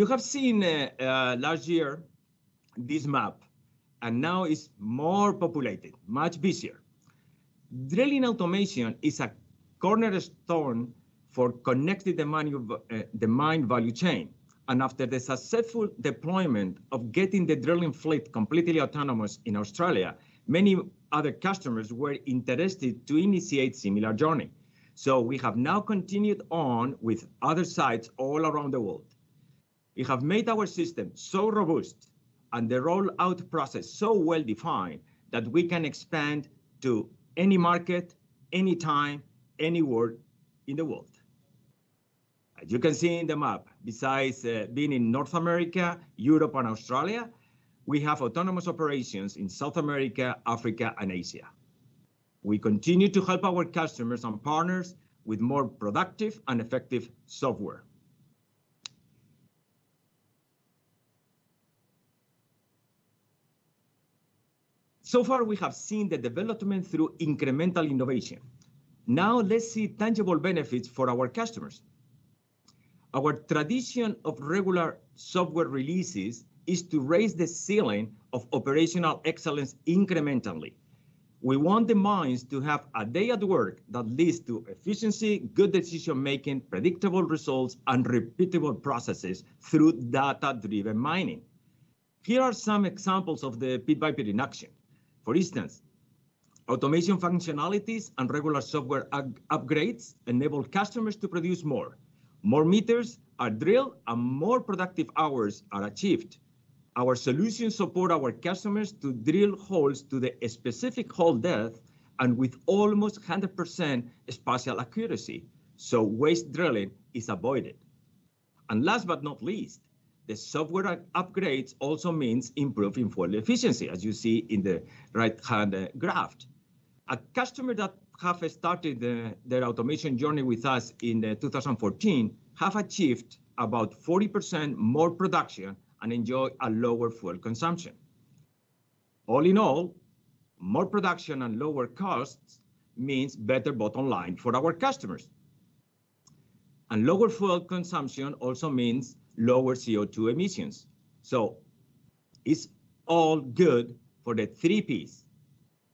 You have seen last year this map, and now it's more populated, much busier. Drilling automation is a cornerstone for connecting the mine value chain. After the successful deployment of getting the drilling fleet completely autonomous in Australia, many other customers were interested to initiate similar journey. We have now continued on with other sites all around the world. We have made our system so robust and the roll-out process so well-defined that we can expand to any market, any time, anywhere in the world. As you can see in the map, besides being in North America, Europe, and Australia, we have autonomous operations in South America, Africa, and Asia. We continue to help our customers and partners with more productive and effective software. So far, we have seen the development through incremental innovation. Now, let's see tangible benefits for our customers. Our tradition of regular software releases is to raise the ceiling of operational excellence incrementally. We want the mines to have a day at work that leads to efficiency, good decision-making, predictable results, and repeatable processes through data-driven mining. Here are some examples of the Pit Viper in action. For instance, automation functionalities and regular software upgrades enable customers to produce more. More meters are drilled and more productive hours are achieved. Our solutions support our customers to drill holes to the specific hole depth and with almost 100% spatial accuracy, so waste drilling is avoided. Last but not least, the software upgrades also means improving fuel efficiency, as you see in the right-hand graph. A customer that have started their automation journey with us in 2014 have achieved about 40% more production and enjoy a lower fuel consumption. All in all, more production and lower costs means better bottom line for our customers. Lower fuel consumption also means lower CO2 emissions. It's all good for the three Ps,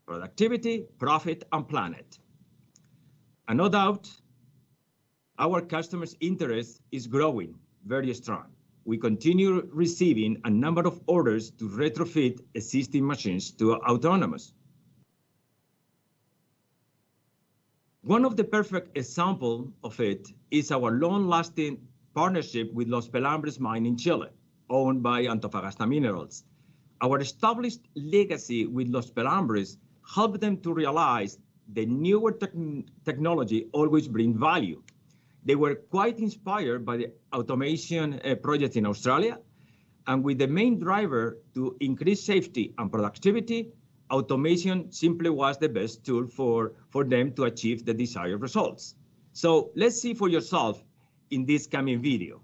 productivity, profit, and planet. No doubt our customers' interest is growing very strong. We continue receiving a number of orders to retrofit existing machines to autonomous. One of the perfect example of it is our long-lasting partnership with Los Pelambres mine in Chile, owned by Antofagasta Minerals. Our established legacy with Los Pelambres helped them to realize the newer technology always bring value. They were quite inspired by the automation project in Australia, and with the main driver to increase safety and productivity, automation simply was the best tool for them to achieve the desired results. Let's see for yourself in this coming video.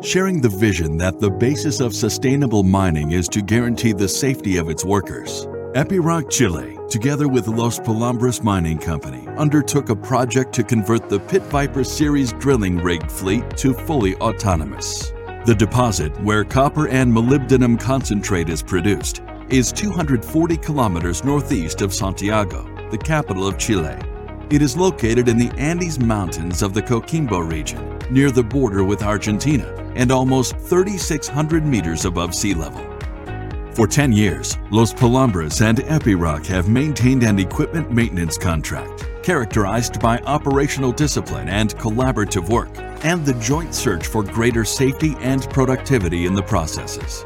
Sharing the vision that the basis of sustainable mining is to guarantee the safety of its workers, Epiroc Chile, together with Los Pelambres Mining Company, undertook a project to convert the Pit Viper series drilling rig fleet to fully autonomous. The deposit, where copper and molybdenum concentrate is produced, is 240 km northeast of Santiago, the capital of Chile. It is located in the Andes Mountains of the Coquimbo Region, near the border with Argentina and almost 3,600 m above sea level. For 10 years, Los Pelambres and Epiroc have maintained an equipment maintenance contract characterized by operational discipline and collaborative work, and the joint search for greater safety and productivity in the processes.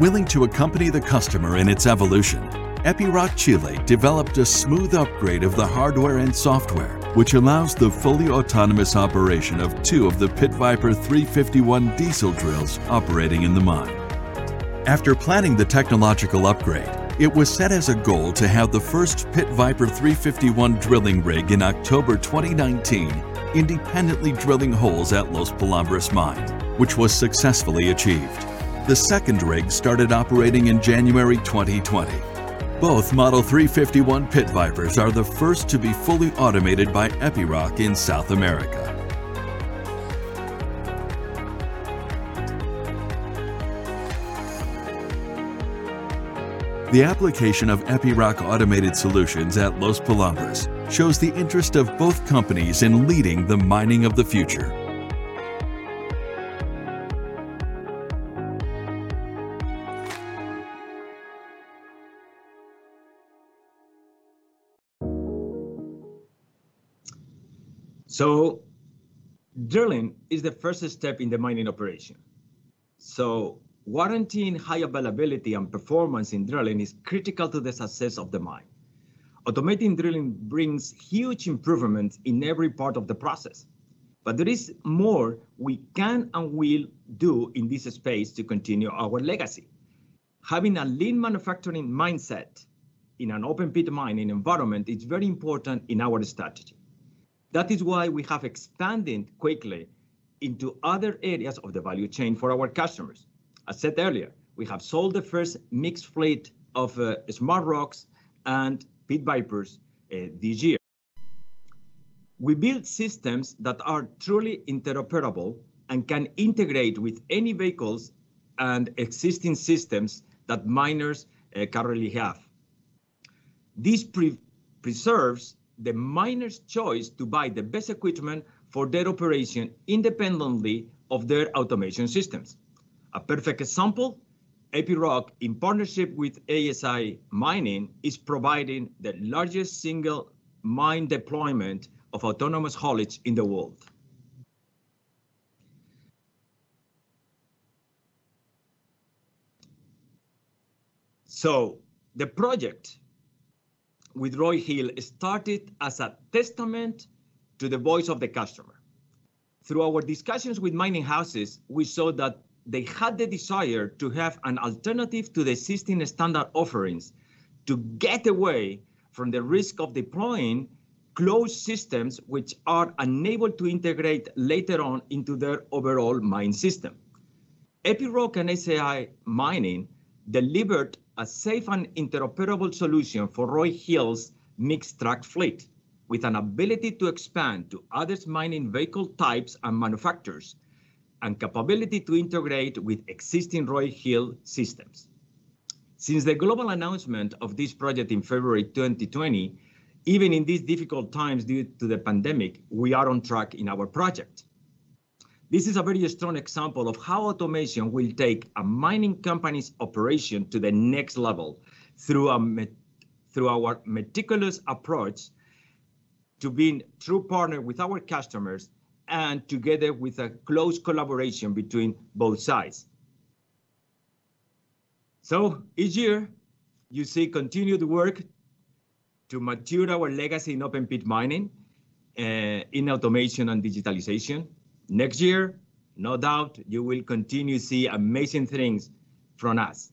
Willing to accompany the customer in its evolution, Epiroc Chile developed a smooth upgrade of the hardware and software, which allows the fully autonomous operation of two of the Pit Viper 351 diesel drills operating in the mine. After planning the technological upgrade, it was set as a goal to have the first Pit Viper 351 drilling rig in October 2019, independently drilling holes at Los Pelambres mine, which was successfully achieved. The second rig started operating in January 2020. Both model 351 Pit Vipers are the first to be fully automated by Epiroc in South America. The application of Epiroc automated solutions at Los Pelambres shows the interest of both companies in leading the mining of the future. Drilling is the first step in the mining operation. Warranting high availability and performance in drilling is critical to the success of the mine. Automating drilling brings huge improvements in every part of the process. There is more we can and will do in this space to continue our legacy. Having a lean manufacturing mindset in an open pit mining environment is very important in our strategy. That is why we have expanded quickly into other areas of the value chain for our customers. I said earlier, we have sold the first mixed fleet of SmartROCs and Pit Vipers this year. We build systems that are truly interoperable and can integrate with any vehicles and existing systems that miners currently have. This preserves the miner's choice to buy the best equipment for their operation independently of their automation systems. A perfect example, Epiroc, in partnership with ASI Mining, is providing the largest single mine deployment of autonomous haulage in the world. The project with Roy Hill started as a testament to the voice of the customer. Through our discussions with mining houses, we saw that they had the desire to have an alternative to the existing standard offerings to get away from the risk of deploying closed systems which are unable to integrate later on into their overall mine system. Epiroc and ASI Mining delivered a safe and interoperable solution for Roy Hill's mixed truck fleet, with an ability to expand to other mining vehicle types and manufacturers, and capability to integrate with existing Roy Hill systems. Since the global announcement of this project in February 2020, even in these difficult times due to the pandemic, we are on track in our project. This is a very strong example of how automation will take a mining company's operation to the next level through our meticulous approach to being true partner with our customers and together with a close collaboration between both sides. This year, you see continued work to mature our legacy in open-pit mining in automation and digitalization. Next year, no doubt you will continue to see amazing things from us.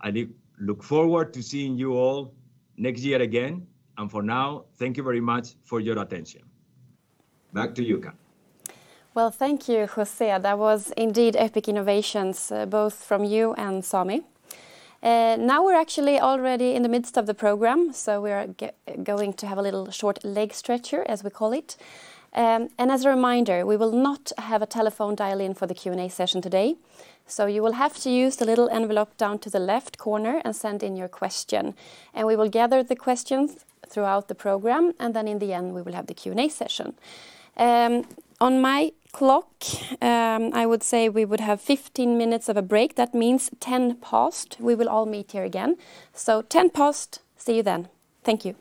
I look forward to seeing you all next year again. For now, thank you very much for your attention. Back to you, Karin. Well, thank you, José. That was indeed epic innovations, both from you and Sami. We're actually already in the midst of the program. We are going to have a little short leg stretcher, as we call it. As a reminder, we will not have a telephone dial-in for the Q&A session today. You will have to use the little envelope down to the left corner and send in your question. We will gather the questions throughout the program, then in the end we will have the Q&A session. On my clock, I would say we would have 15 minutes of a break. That means 10 past, we will all meet here again. 10 past, see you then. Thank you.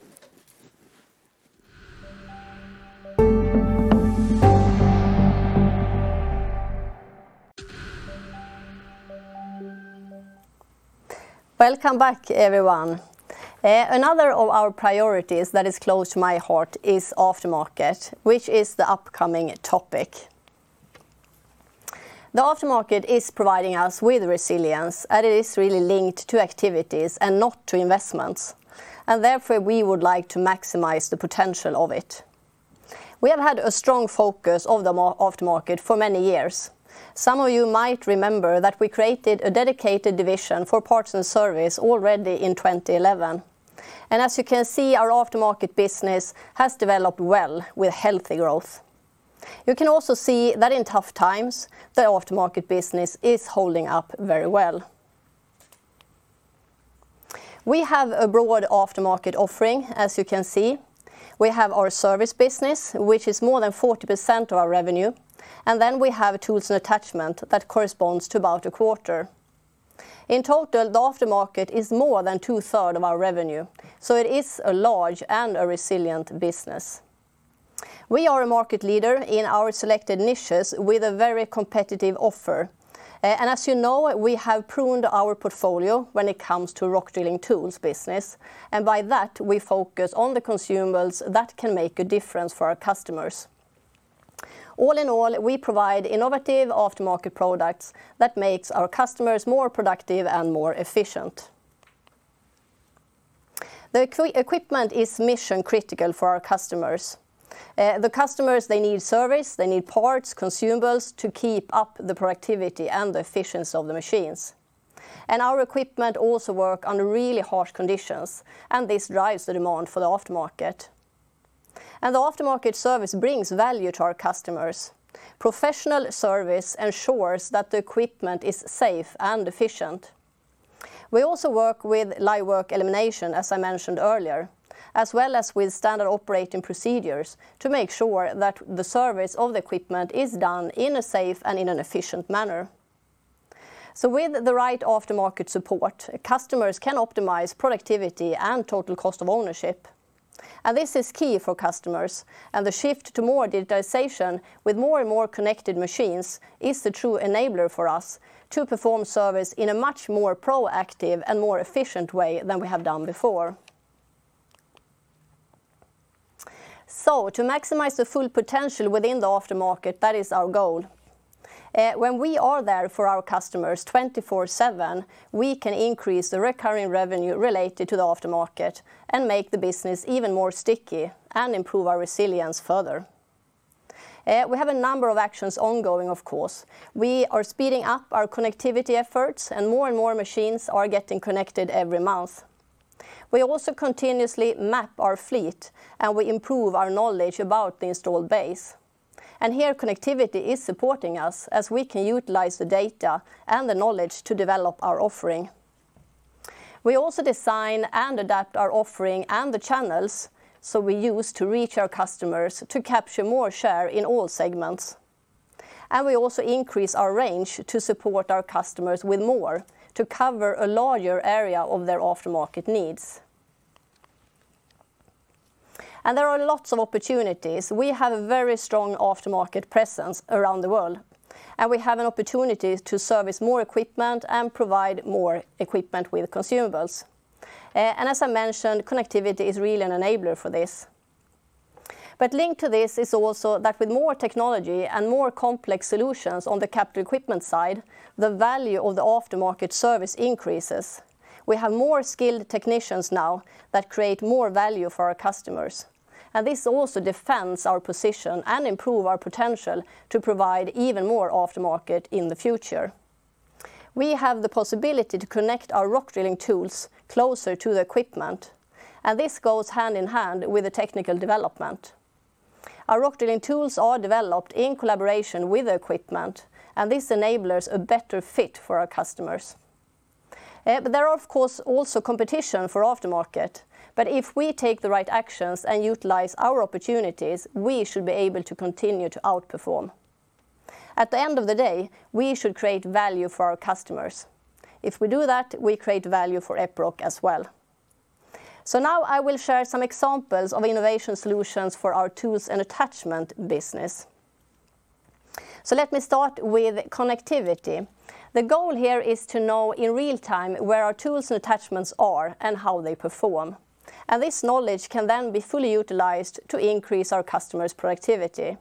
Welcome back, everyone. Another of our priorities that is close to my heart is aftermarket, which is the upcoming topic. The aftermarket is providing us with resilience, and it is really linked to activities and not to investments, and therefore, we would like to maximize the potential of it. We have had a strong focus of the aftermarket for many years. Some of you might remember that we created a dedicated division for parts and service already in 2011. As you can see, our aftermarket business has developed well with healthy growth. You can also see that in tough times, the aftermarket business is holding up very well. We have a broad aftermarket offering, as you can see. We have our service business, which is more than 40% of our revenue, and then we have tools and attachment that corresponds to about a quarter. In total, the aftermarket is more than two-third of our revenue, so it is a large and a resilient business. We are a market leader in our selected niches with a very competitive offer. As you know, we have pruned our portfolio when it comes to rock drilling tools business. By that, we focus on the consumables that can make a difference for our customers. All in all, we provide innovative aftermarket products that makes our customers more productive and more efficient. The equipment is mission-critical for our customers. The customers, they need service, they need parts, consumables to keep up the productivity and the efficiency of the machines. Our equipment also work under really harsh conditions, and this drives the demand for the aftermarket. The aftermarket service brings value to our customers. Professional service ensures that the equipment is safe and efficient. We also work with Live Work Elimination, as I mentioned earlier, as well as with standard operating procedures to make sure that the service of the equipment is done in a safe and in an efficient manner. With the right aftermarket support, customers can optimize productivity and total cost of ownership. This is key for customers, and the shift to more digitization with more and more connected machines is the true enabler for us to perform service in a much more proactive and more efficient way than we have done before. To maximize the full potential within the aftermarket, that is our goal. When we are there for our customers 24/7, we can increase the recurring revenue related to the aftermarket and make the business even more sticky and improve our resilience further. We have a number of actions ongoing, of course. We are speeding up our connectivity efforts and more and more machines are getting connected every month. We also continuously map our fleet, and we improve our knowledge about the installed base. Here connectivity is supporting us as we can utilize the data and the knowledge to develop our offering. We also design and adapt our offering and the channels so we use to reach our customers to capture more share in all segments. We also increase our range to support our customers with more to cover a larger area of their aftermarket needs. There are lots of opportunities. We have a very strong aftermarket presence around the world, and we have an opportunity to service more equipment and provide more equipment with consumables. As I mentioned, connectivity is really an enabler for this. Linked to this is also that with more technology and more complex solutions on the capital equipment side, the value of the aftermarket service increases. We have more skilled technicians now that create more value for our customers. This also defends our position and improve our potential to provide even more aftermarket in the future. We have the possibility to connect our rock drilling tools closer to the equipment, and this goes hand in hand with the technical development. Our rock drilling tools are developed in collaboration with the equipment, and this enables a better fit for our customers. There are of course, also competition for aftermarket, but if we take the right actions and utilize our opportunities, we should be able to continue to outperform. At the end of the day, we should create value for our customers. If we do that, we create value for Epiroc as well. Now I will share some examples of innovation solutions for our tools and attachment business. Let me start with connectivity. The goal here is to know in real time where our tools and attachments are and how they perform. This knowledge can then be fully utilized to increase our customers productivity.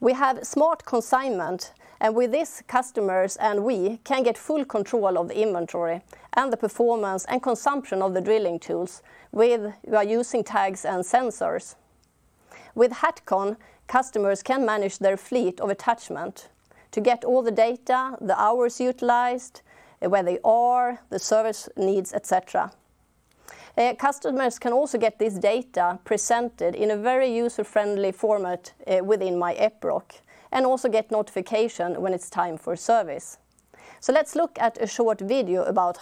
We have smart consignment, and with this, customers and we can get full control of the inventory and the performance and consumption of the drilling tools by using tags and sensors. With HATCON, customers can manage their fleet of attachment to get all the data, the hours utilized, where they are, the service needs, et cetera. Customers can also get this data presented in a very user-friendly format within My Epiroc, and also get notification when it's time for service. Let's look at a short video about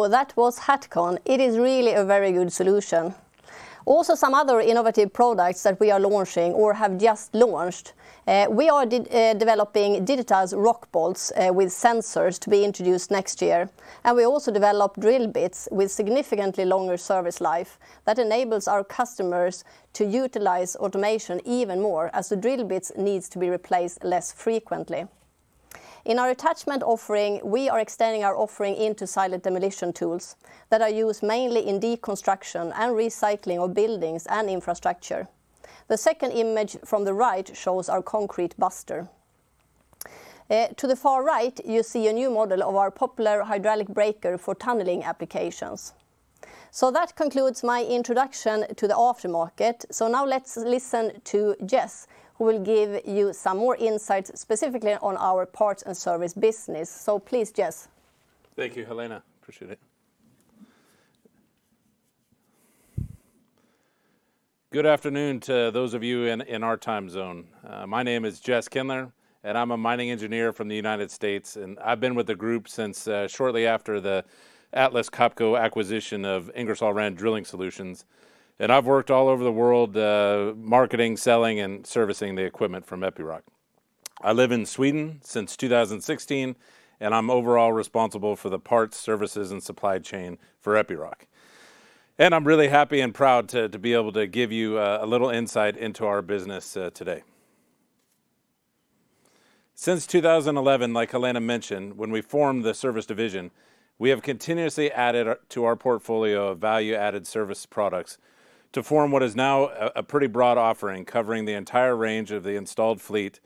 HATCON. That was HATCON. It is really a very good solution. Also, some other innovative products that we are launching or have just launched. We are developing digitized rock bolts with sensors to be introduced next year. We also developed drill bits with significantly longer service life that enables our customers to utilize automation even more, as the drill bits needs to be replaced less frequently. In our attachment offering, we are extending our offering into silent demolition tools that are used mainly in deconstruction and recycling of buildings and infrastructure. The second image from the right shows our concrete buster. To the far right, you see a new model of our popular hydraulic breaker for tunneling applications. That concludes my introduction to the aftermarket. Now let's listen to Jess, who will give you some more insights, specifically on our parts and service business. Please, Jess. Thank you, Helena. Appreciate it. Good afternoon to those of you in our time zone. My name is Jess Kindler, and I'm a mining engineer from the United States, and I've been with the group since shortly after the Atlas Copco acquisition of Ingersoll-Rand Drilling Solutions. I've worked all over the world, marketing, selling, and servicing the equipment from Epiroc. I live in Sweden, since 2016, and I'm overall responsible for the parts, services, and supply chain for Epiroc. I'm really happy and proud to be able to give you a little insight into our business today. Since 2011, like Helena mentioned, when we formed the service division, we have continuously added to our portfolio of value-added service products to form what is now a pretty broad offering covering the entire range of the installed fleet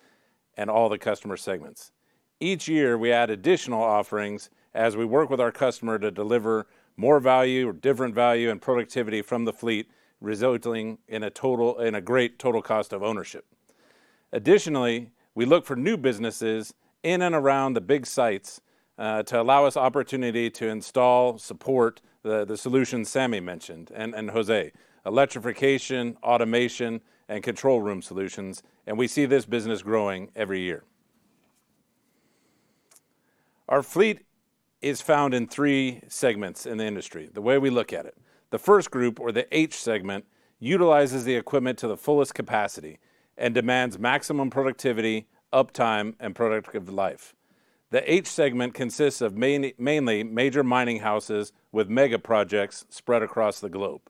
and all the customer segments. Each year, we add additional offerings as we work with our customer to deliver more value or different value and productivity from the fleet, resulting in a great total cost of ownership. Additionally, we look for new businesses in and around the big sites to allow us opportunity to install, support the solutions Sami mentioned, and José: electrification, automation, and control room solutions. We see this business growing every year. Our fleet is found in three segments in the industry. The way we look at it. The first group, or the H segment, utilizes the equipment to the fullest capacity and demands maximum productivity, uptime, and productive life. The H segment consists of mainly major mining houses with mega projects spread across the globe.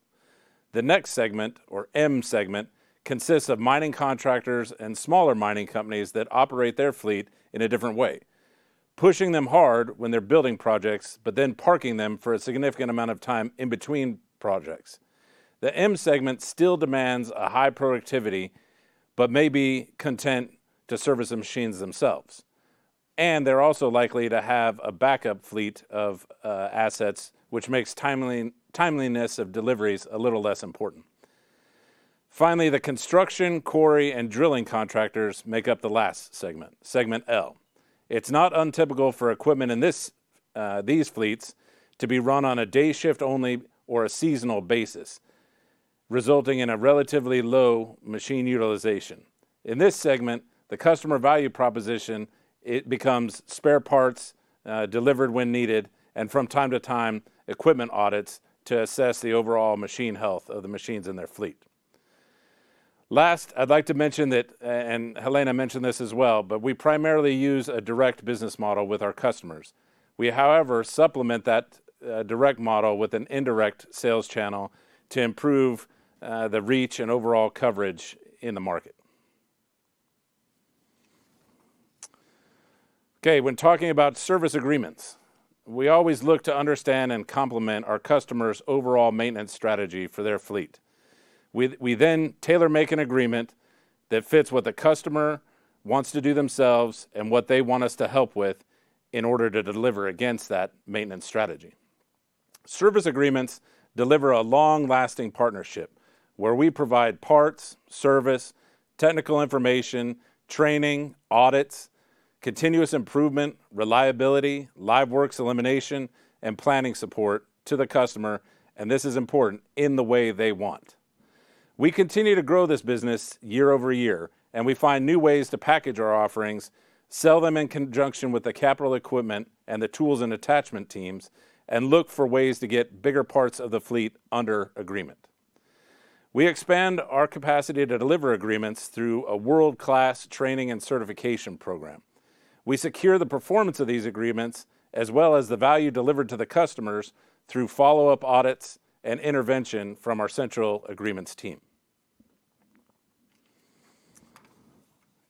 The next segment, or M segment, consists of mining contractors and smaller mining companies that operate their fleet in a different way. Pushing them hard when they're building projects, but then parking them for a significant amount of time in between projects. The M segment still demands a high productivity, but may be content to service the machines themselves. They're also likely to have a backup fleet of assets, which makes timeliness of deliveries a little less important. Finally, the construction, quarry, and drilling contractors make up the last segment L. It's not untypical for equipment in these fleets to be run on a day shift only or a seasonal basis, resulting in a relatively low machine utilization. In this segment, the customer value proposition, it becomes spare parts delivered when needed, and from time-to-time, equipment audits to assess the overall machine health of the machines in their fleet. Last, I'd like to mention that, and Helena mentioned this as well, but we primarily use a direct business model with our customers. We, however, supplement that direct model with an indirect sales channel to improve the reach and overall coverage in the market. Okay. When talking about service agreements, we always look to understand and complement our customer's overall maintenance strategy for their fleet. We tailor-make an agreement that fits what the customer wants to do themselves and what they want us to help with in order to deliver against that maintenance strategy. Service agreements deliver a long-lasting partnership where we provide parts, service, technical information, training, audits, continuous improvement, reliability, live works elimination, and planning support to the customer, and this is important, in the way they want. We continue to grow this business year-over-year, and we find new ways to package our offerings, sell them in conjunction with the capital equipment and the tools and attachment teams, and look for ways to get bigger parts of the fleet under agreement. We expand our capacity to deliver agreements through a world-class training and certification program. We secure the performance of these agreements as well as the value delivered to the customers through follow-up audits and intervention from our central agreements team.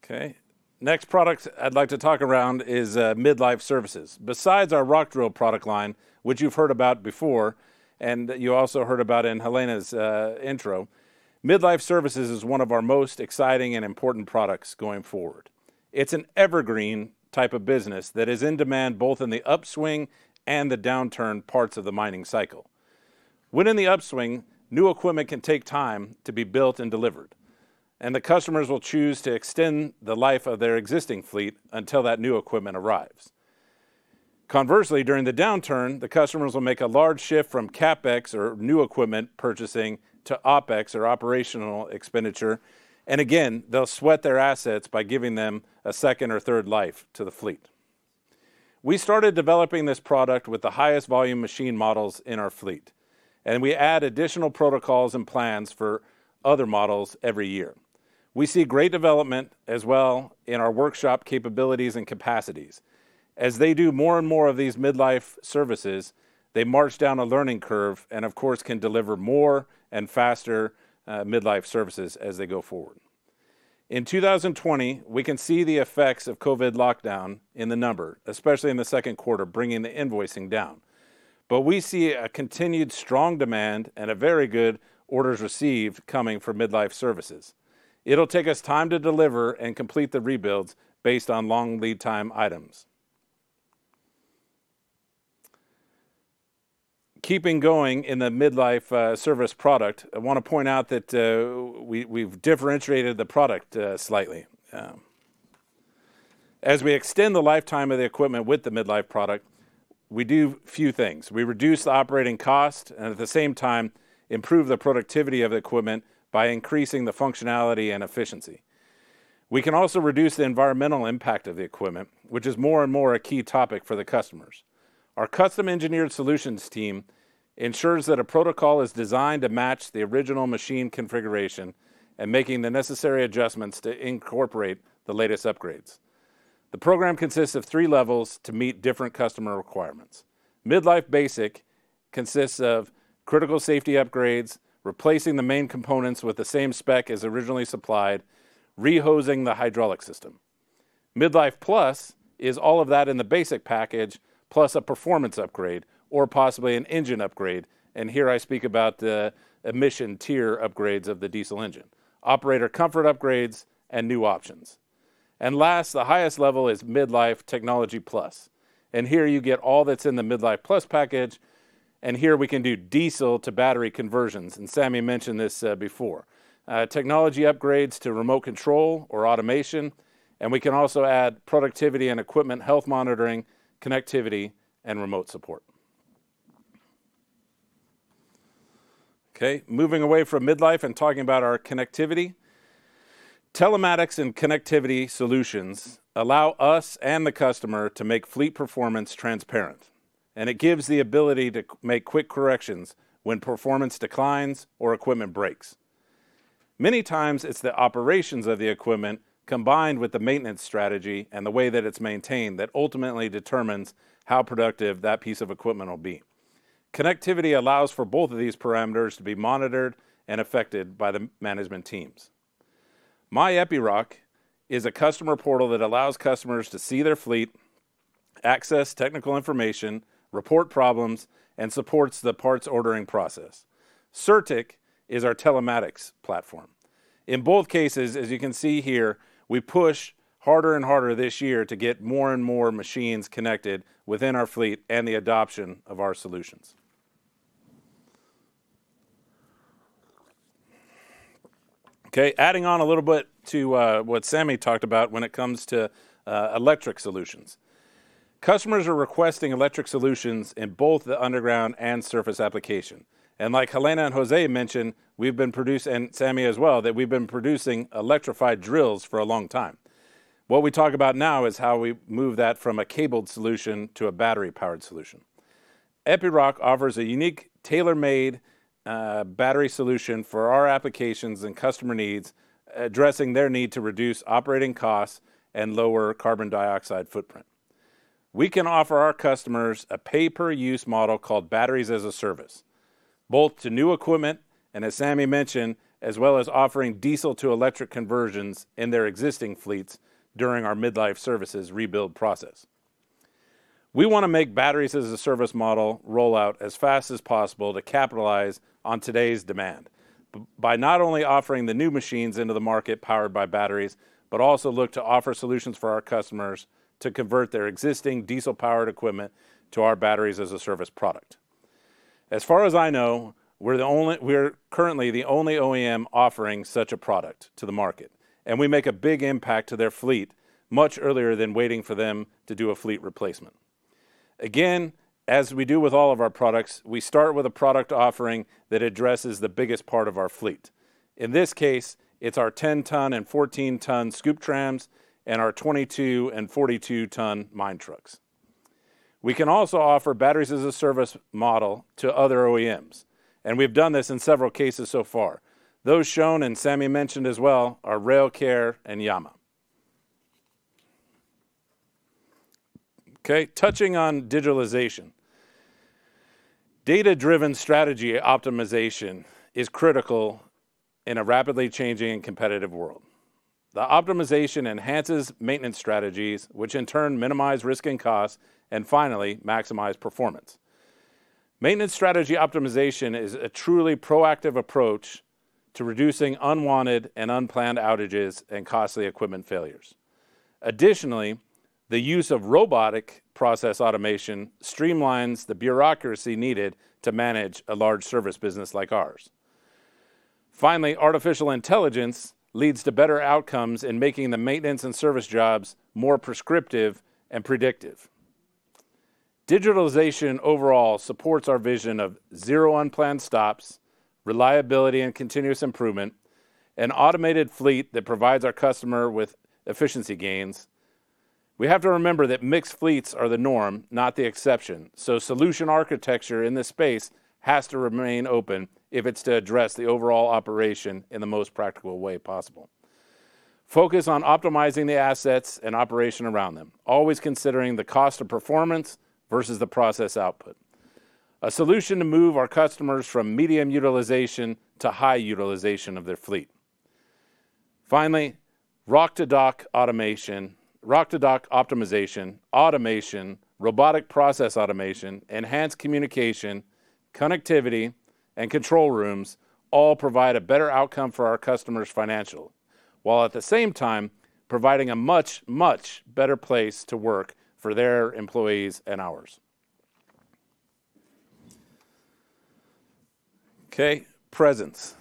Okay. Next product I'd like to talk around is midlife services. Besides our rock drill product line, which you've heard about before and that you also heard about in Helena's intro, midlife services is one of our most exciting and important products going forward. It's an evergreen type of business that is in demand both in the upswing and the downturn parts of the mining cycle. When in the upswing, new equipment can take time to be built and delivered. The customers will choose to extend the life of their existing fleet until that new equipment arrives. Conversely, during the downturn, the customers will make a large shift from CapEx or new equipment purchasing to OpEx or operational expenditure. Again, they'll sweat their assets by giving them a second or third life to the fleet. We started developing this product with the highest volume machine models in our fleet, and we add additional protocols and plans for other models every year. We see great development as well in our workshop capabilities and capacities. As they do more and more of these midlife services, they march down a learning curve and, of course, can deliver more and faster midlife services as they go forward. In 2020, we can see the effects of COVID lockdown in the number, especially in the second quarter, bringing the invoicing down. We see a continued strong demand and a very good orders received coming from midlife services. It'll take us time to deliver and complete the rebuilds based on long lead time items. Keeping going in the midlife service product, I want to point out that we've differentiated the product slightly. As we extend the lifetime of the equipment with the midlife product, we do a few things. We reduce the operating cost and at the same time improve the productivity of the equipment by increasing the functionality and efficiency. We can also reduce the environmental impact of the equipment, which is more and more a key topic for the customers. Our custom engineered solutions team ensures that a program is designed to match the original machine configuration and making the necessary adjustments to incorporate the latest upgrades. The program consists of three levels to meet different customer requirements. Midlife Basic consists of critical safety upgrades, replacing the main components with the same spec as originally supplied, re-hosing the hydraulic system. Midlife Plus is all of that in the Basic package, plus a performance upgrade or possibly an engine upgrade, here I speak about the emission tier upgrades of the diesel engine, operator comfort upgrades, and new options. Last, the highest level is Midlife Technology Plus, and here you get all that's in the Midlife Plus package, and here we can do diesel to battery conversions, and Sami mentioned this before. Technology upgrades to remote control or automation, and we can also add productivity and equipment health monitoring, connectivity, and remote support. Okay. Moving away from midlife and talking about our connectivity. Telematics and connectivity solutions allow us and the customer to make fleet performance transparent, and it gives the ability to make quick corrections when performance declines or equipment breaks. Many times it's the operations of the equipment combined with the maintenance strategy and the way that it's maintained that ultimately determines how productive that piece of equipment will be. Connectivity allows for both of these parameters to be monitored and affected by the management teams. My Epiroc is a customer portal that allows customers to see their fleet, access technical information, report problems, and supports the parts ordering process. Certiq is our telematics platform. In both cases, as you can see here, we push harder and harder this year to get more and more machines connected within our fleet and the adoption of our solutions. Okay. Adding on a little bit to what Sami talked about when it comes to electric solutions. Customers are requesting electric solutions in both the underground and surface application. Like Helena and José mentioned, we've been producing, and Sami as well, that we've been producing electrified drills for a long time. What we talk about now is how we move that from a cabled solution to a battery-powered solution. Epiroc offers a unique, tailor-made battery solution for our applications and customer needs, addressing their need to reduce operating costs and lower carbon dioxide footprint. We can offer our customers a pay-per-use model called Batteries as a Service, both to new equipment, and as Sami mentioned, as well as offering diesel to electric conversions in their existing fleets during our mid-life services rebuild process. We want to make Batteries as a Service model rollout as fast as possible to capitalize on today's demand. By not only offering the new machines into the market powered by batteries, but also look to offer solutions for our customers to convert their existing diesel-powered equipment to our Batteries as a Service product. As far as I know, we're currently the only OEM offering such a product to the market, and we make a big impact to their fleet much earlier than waiting for them to do a fleet replacement. As we do with all of our products, we start with a product offering that addresses the biggest part of our fleet. In this case, it's our 10-ton and 14-ton Scooptrams and our 22 and 42-ton mine trucks. We can also offer Batteries as a Service model to other OEMs, and we've done this in several cases so far. Those shown, and Sami mentioned as well, are Railcare and Jama. Touching on digitalization. Data-driven strategy optimization is critical in a rapidly changing and competitive world. The optimization enhances maintenance strategies, which in turn minimize risk and cost, and finally maximize performance. Maintenance strategy optimization is a truly proactive approach to reducing unwanted and unplanned outages and costly equipment failures. Additionally, the use of robotic process automation streamlines the bureaucracy needed to manage a large service business like ours. Finally, artificial intelligence leads to better outcomes in making the maintenance and service jobs more prescriptive and predictive. Digitalization overall supports our vision of zero unplanned stops, reliability and continuous improvement, an automated fleet that provides our customer with efficiency gains. We have to remember that mixed fleets are the norm, not the exception. Solution architecture in this space has to remain open if it's to address the overall operation in the most practical way possible. Focus on optimizing the assets and operation around them, always considering the cost of performance versus the process output. A solution to move our customers from medium utilization to high utilization of their fleet. Finally, rock to dock optimization, automation, robotic process automation, enhanced communication, connectivity, and control rooms all provide a better outcome for our customers financially, while at the same time providing a much, much better place to work for their employees and ours. Okay, presence.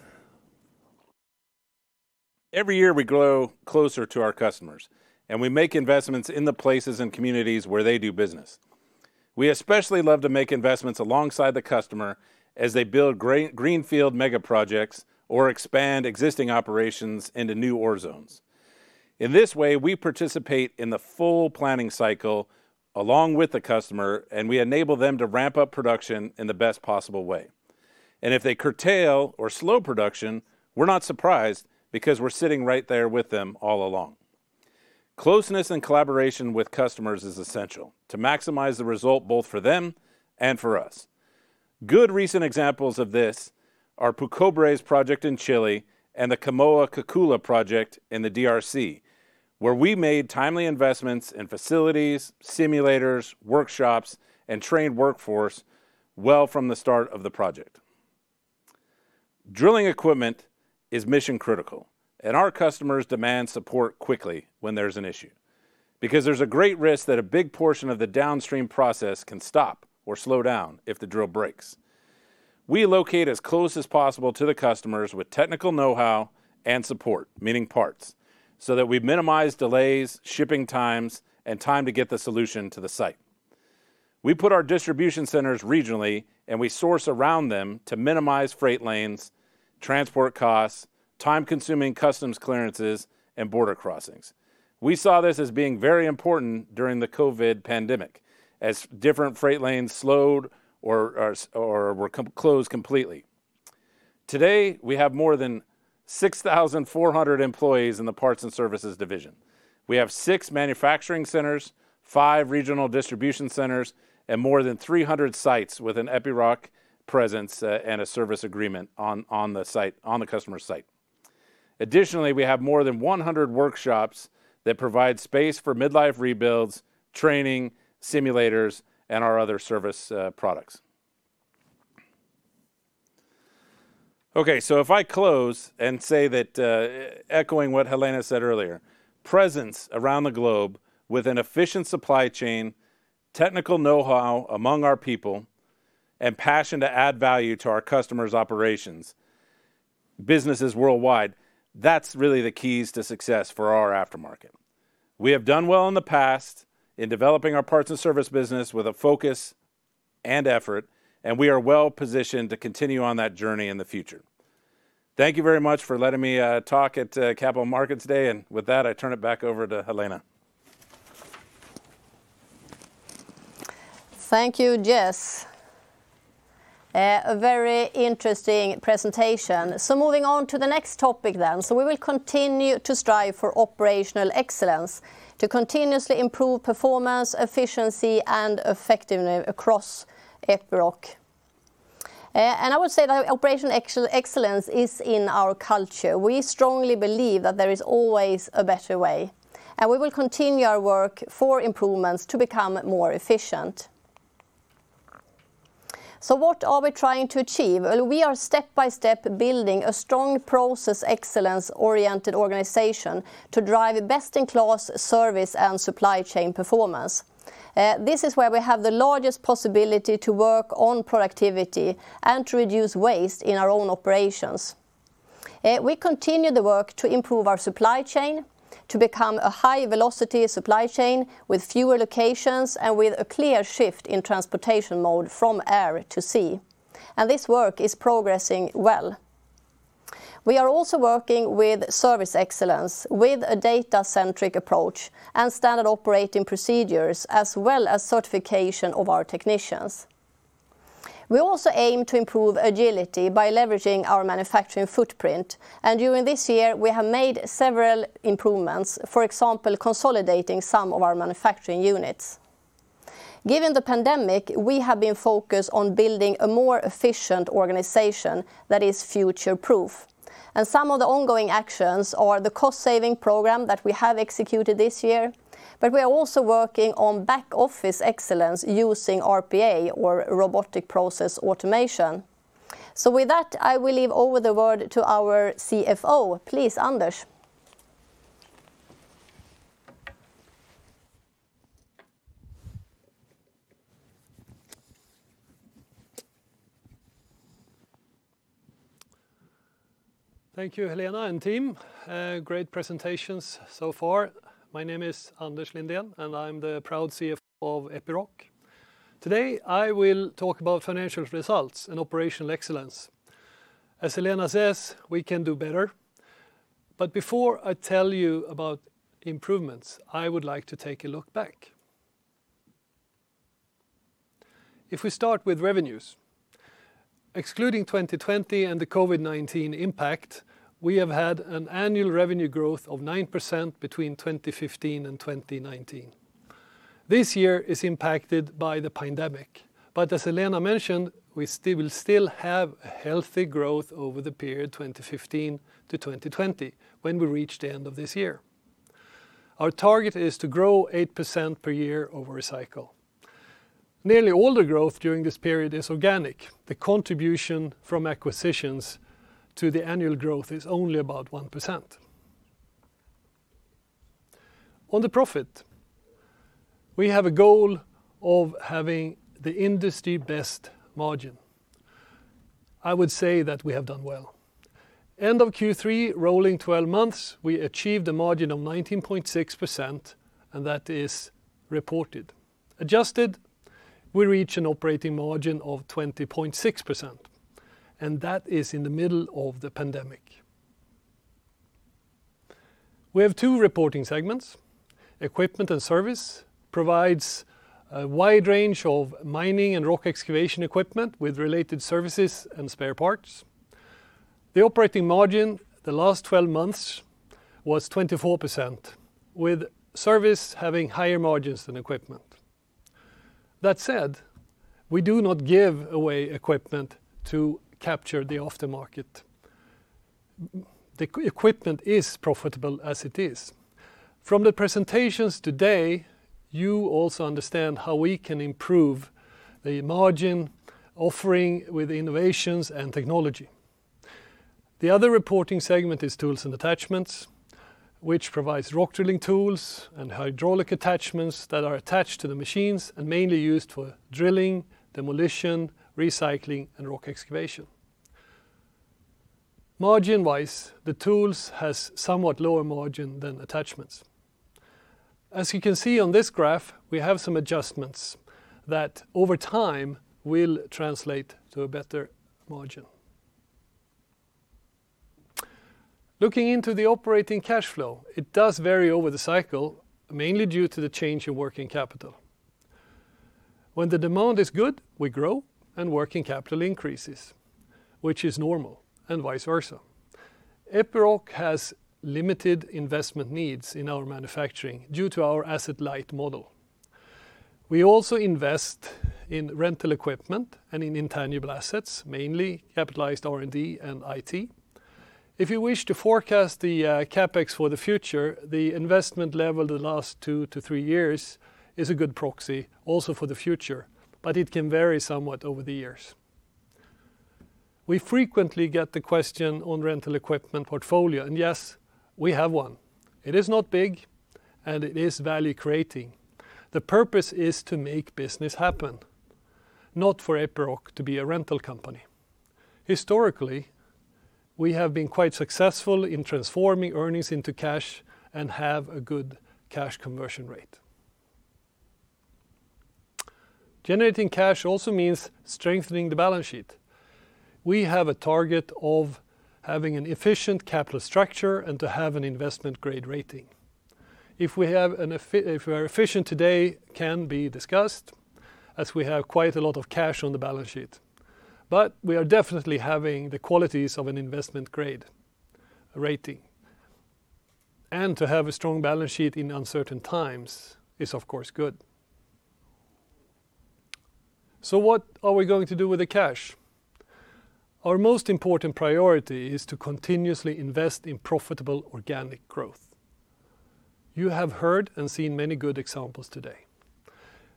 Every year we grow closer to our customers. We make investments in the places and communities where they do business. We especially love to make investments alongside the customer as they build greenfield mega projects or expand existing operations into new ore zones. In this way, we participate in the full planning cycle along with the customer. We enable them to ramp up production in the best possible way. If they curtail or slow production, we're not surprised because we're sitting right there with them all along. Closeness and collaboration with customers is essential to maximize the result both for them and for us. Good recent examples of this are Pucobre's project in Chile and the Kamoa-Kakula project in the DRC, where we made timely investments in facilities, simulators, workshops, and trained workforce well from the start of the project. Drilling equipment is mission critical, and our customers demand support quickly when there's an issue. Because there's a great risk that a big portion of the downstream process can stop or slow down if the drill breaks. We locate as close as possible to the customers with technical know-how and support, meaning parts, so that we minimize delays, shipping times, and time to get the solution to the site. We put our distribution centers regionally, and we source around them to minimize freight lanes, transport costs, time-consuming customs clearances, and border crossings. We saw this as being very important during the COVID pandemic as different freight lanes slowed or were closed completely. Today, we have more than 6,400 employees in the Parts & Services division. We have six manufacturing centers, five regional distribution centers, and more than 300 sites with an Epiroc presence and a service agreement on the customer site. Additionally, we have more than 100 workshops that provide space for mid-life rebuilds, training, simulators, and our other service products. Okay, if I close and say that, echoing what Helena said earlier, presence around the globe with an efficient supply chain, technical know-how among our people, and passion to add value to our customers' operations, businesses worldwide, that's really the keys to success for our aftermarket. We have done well in the past in developing our parts and service business with a focus and effort, and we are well-positioned to continue on that journey in the future. Thank you very much for letting me talk at Capital Markets Day, and with that, I turn it back over to Helena. Thank you, Jess. A very interesting presentation. Moving on to the next topic. We will continue to strive for operational excellence to continuously improve performance, efficiency, and effectiveness across Epiroc. And I would say that operational excellence is in our culture. We strongly believe that there is always a better way, and we will continue our work for improvements to become more efficient. What are we trying to achieve? Well we are step-by-step building a strong process excellence-oriented organization to drive best-in-class service and supply chain performance. This is where we have the largest possibility to work on productivity and to reduce waste in our own operations. We continue the work to improve our supply chain to become a high velocity supply chain with fewer locations and with a clear shift in transportation mode from air to sea. This work is progressing well. We are also working with service excellence, with a data-centric approach and standard operating procedures, as well as certification of our technicians. We also aim to improve agility by leveraging our manufacturing footprint. During this year, we have made several improvements. For example, consolidating some of our manufacturing units. Given the pandemic, we have been focused on building a more efficient organization that is future proof, and some of the ongoing actions are the cost saving program that we have executed this year. We are also working on back office excellence using RPA or robotic process automation. With that, I will leave over the word to our CFO. Please, Anders. Thank you, Helena and team. Great presentations so far. My name is Anders Lindén, and I'm the proud CFO of Epiroc. Today, I will talk about financial results and operational excellence. As Helena says, we can do better. Before I tell you about improvements, I would like to take a look back. If we start with revenues. Excluding 2020 and the COVID-19 impact, we have had an annual revenue growth of 9% between 2015 and 2019. This year is impacted by the pandemic, but as Helena mentioned, we will still have a healthy growth over the period 2015 to 2020 when we reach the end of this year. Our target is to grow 8% per year over a cycle. Nearly all the growth during this period is organic. The contribution from acquisitions to the annual growth is only about 1%. On the profit, we have a goal of having the industry-best margin. I would say that we have done well. End of Q3, rolling 12 months, we achieved a margin of 19.6%, and that is reported. Adjusted, we reach an operating margin of 20.6%, and that is in the middle of the pandemic. We have two reporting segments. Equipment and Service provides a wide range of mining and rock excavation equipment with related services and spare parts. The operating margin the last 12 months was 24%, with Service having higher margins than Equipment. That said, we do not give away equipment to capture the aftermarket. The equipment is profitable as it is. From the presentations today, you also understand how we can improve the margin offering with innovations and technology. The other reporting segment is Tools and Attachments, which provides rock drilling tools and hydraulic attachments that are attached to the machines and mainly used for drilling, demolition, recycling, and rock excavation. Margin-wise, the Tools has somewhat lower margin than Attachments. As you can see on this graph, we have some adjustments that over time will translate to a better margin. Looking into the operating cash flow, it does vary over the cycle, mainly due to the change in working capital. When the demand is good, we grow and working capital increases, which is normal, and vice versa. Epiroc has limited investment needs in our manufacturing due to our asset light model. We also invest in rental equipment and in intangible assets, mainly capitalized R&D and IT. If you wish to forecast the CapEx for the future, the investment level the last two to three years is a good proxy also for the future, but it can vary somewhat over the years. We frequently get the question on rental equipment portfolio, and yes, we have one. It is not big, and it is value creating. The purpose is to make business happen, not for Epiroc to be a rental company. Historically, we have been quite successful in transforming earnings into cash and have a good cash conversion rate. Generating cash also means strengthening the balance sheet. We have a target of having an efficient capital structure and to have an investment-grade rating. If we are efficient today can be discussed, as we have quite a lot of cash on the balance sheet. We are definitely having the qualities of an investment-grade rating. And to have a strong balance sheet in uncertain times is, of course, good. What are we going to do with the cash? Our most important priority is to continuously invest in profitable organic growth. You have heard and seen many good examples today.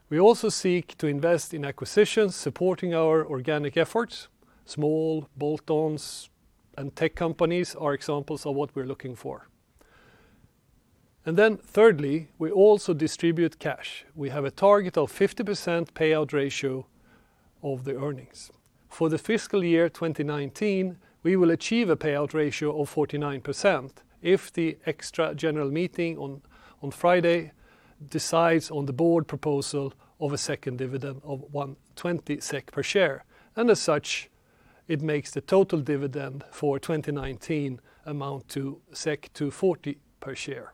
We also seek to invest in acquisitions supporting our organic efforts. Small bolt-ons and tech companies are examples of what we're looking for. Thirdly, we also distribute cash. We have a target of 50% payout ratio of the earnings. For the fiscal year 2019, we will achieve a payout ratio of 49% if the extra general meeting on Friday decides on the board proposal of a second dividend of 120 SEK per share, and as such, it makes the total dividend for 2019 amount to 240 per share.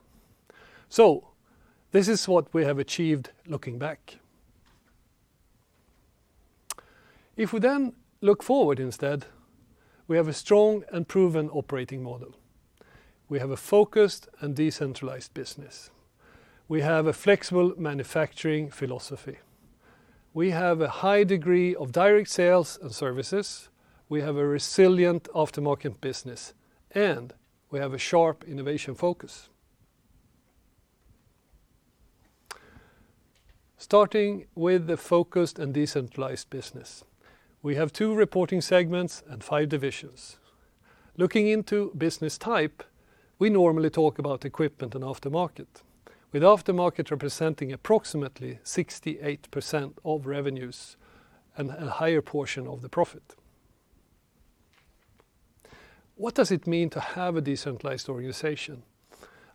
This is what we have achieved looking back. If we look forward instead, we have a strong and proven operating model. We have a focused and decentralized business. We have a flexible manufacturing philosophy. We have a high degree of direct sales and services. We have a resilient aftermarket business, and we have a sharp innovation focus. Starting with the focused and decentralized business, we have two reporting segments and five divisions. Looking into business type, we normally talk about equipment and aftermarket, with aftermarket representing approximately 68% of revenues and a higher portion of the profit. What does it mean to have a decentralized organization?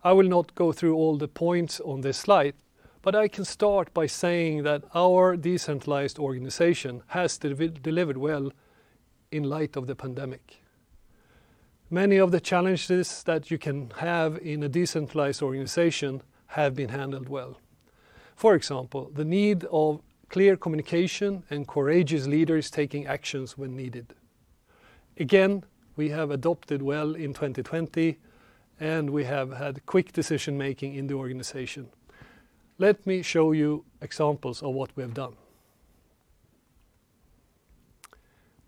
I will not go through all the points on this slide, but I can start by saying that our decentralized organization has delivered well in light of the pandemic. Many of the challenges that you can have in a decentralized organization have been handled well. For example, the need of clear communication and courageous leaders taking actions when needed. We have adopted well in 2020, and we have had quick decision-making in the organization. Let me show you examples of what we have done.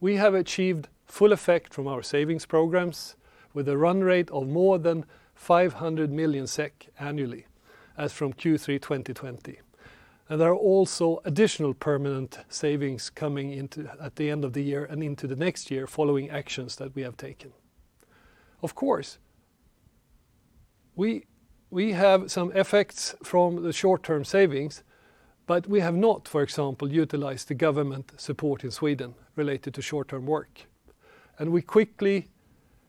We have achieved full effect from our savings programs with a run rate of more than 500 million SEK annually as from Q3 2020. There are also additional permanent savings coming at the end of the year and into the next year following actions that we have taken. We have some effects from the short-term savings, but we have not, for example, utilized the government support in Sweden related to short-term work. We quickly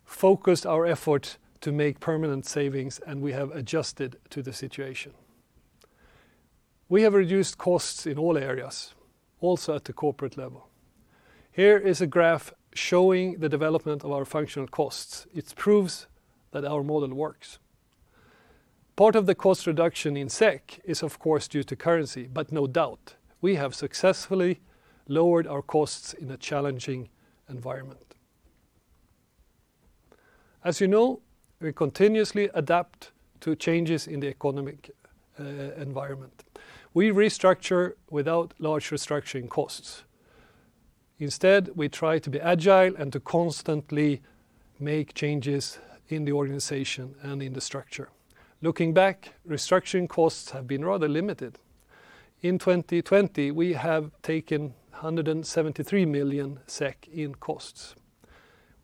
focused our effort to make permanent savings, and we have adjusted to the situation. We have reduced costs in all areas, also at the corporate level. Here is a graph showing the development of our functional costs. It proves that our model works. Part of the cost reduction in SEK is of course due to currency, but no doubt, we have successfully lowered our costs in a challenging environment. As you know, we continuously adapt to changes in the economic environment. We restructure without large restructuring costs. Instead, we try to be agile and to constantly make changes in the organization and in the structure. Looking back, restructuring costs have been rather limited. In 2020, we have taken 173 million SEK in costs.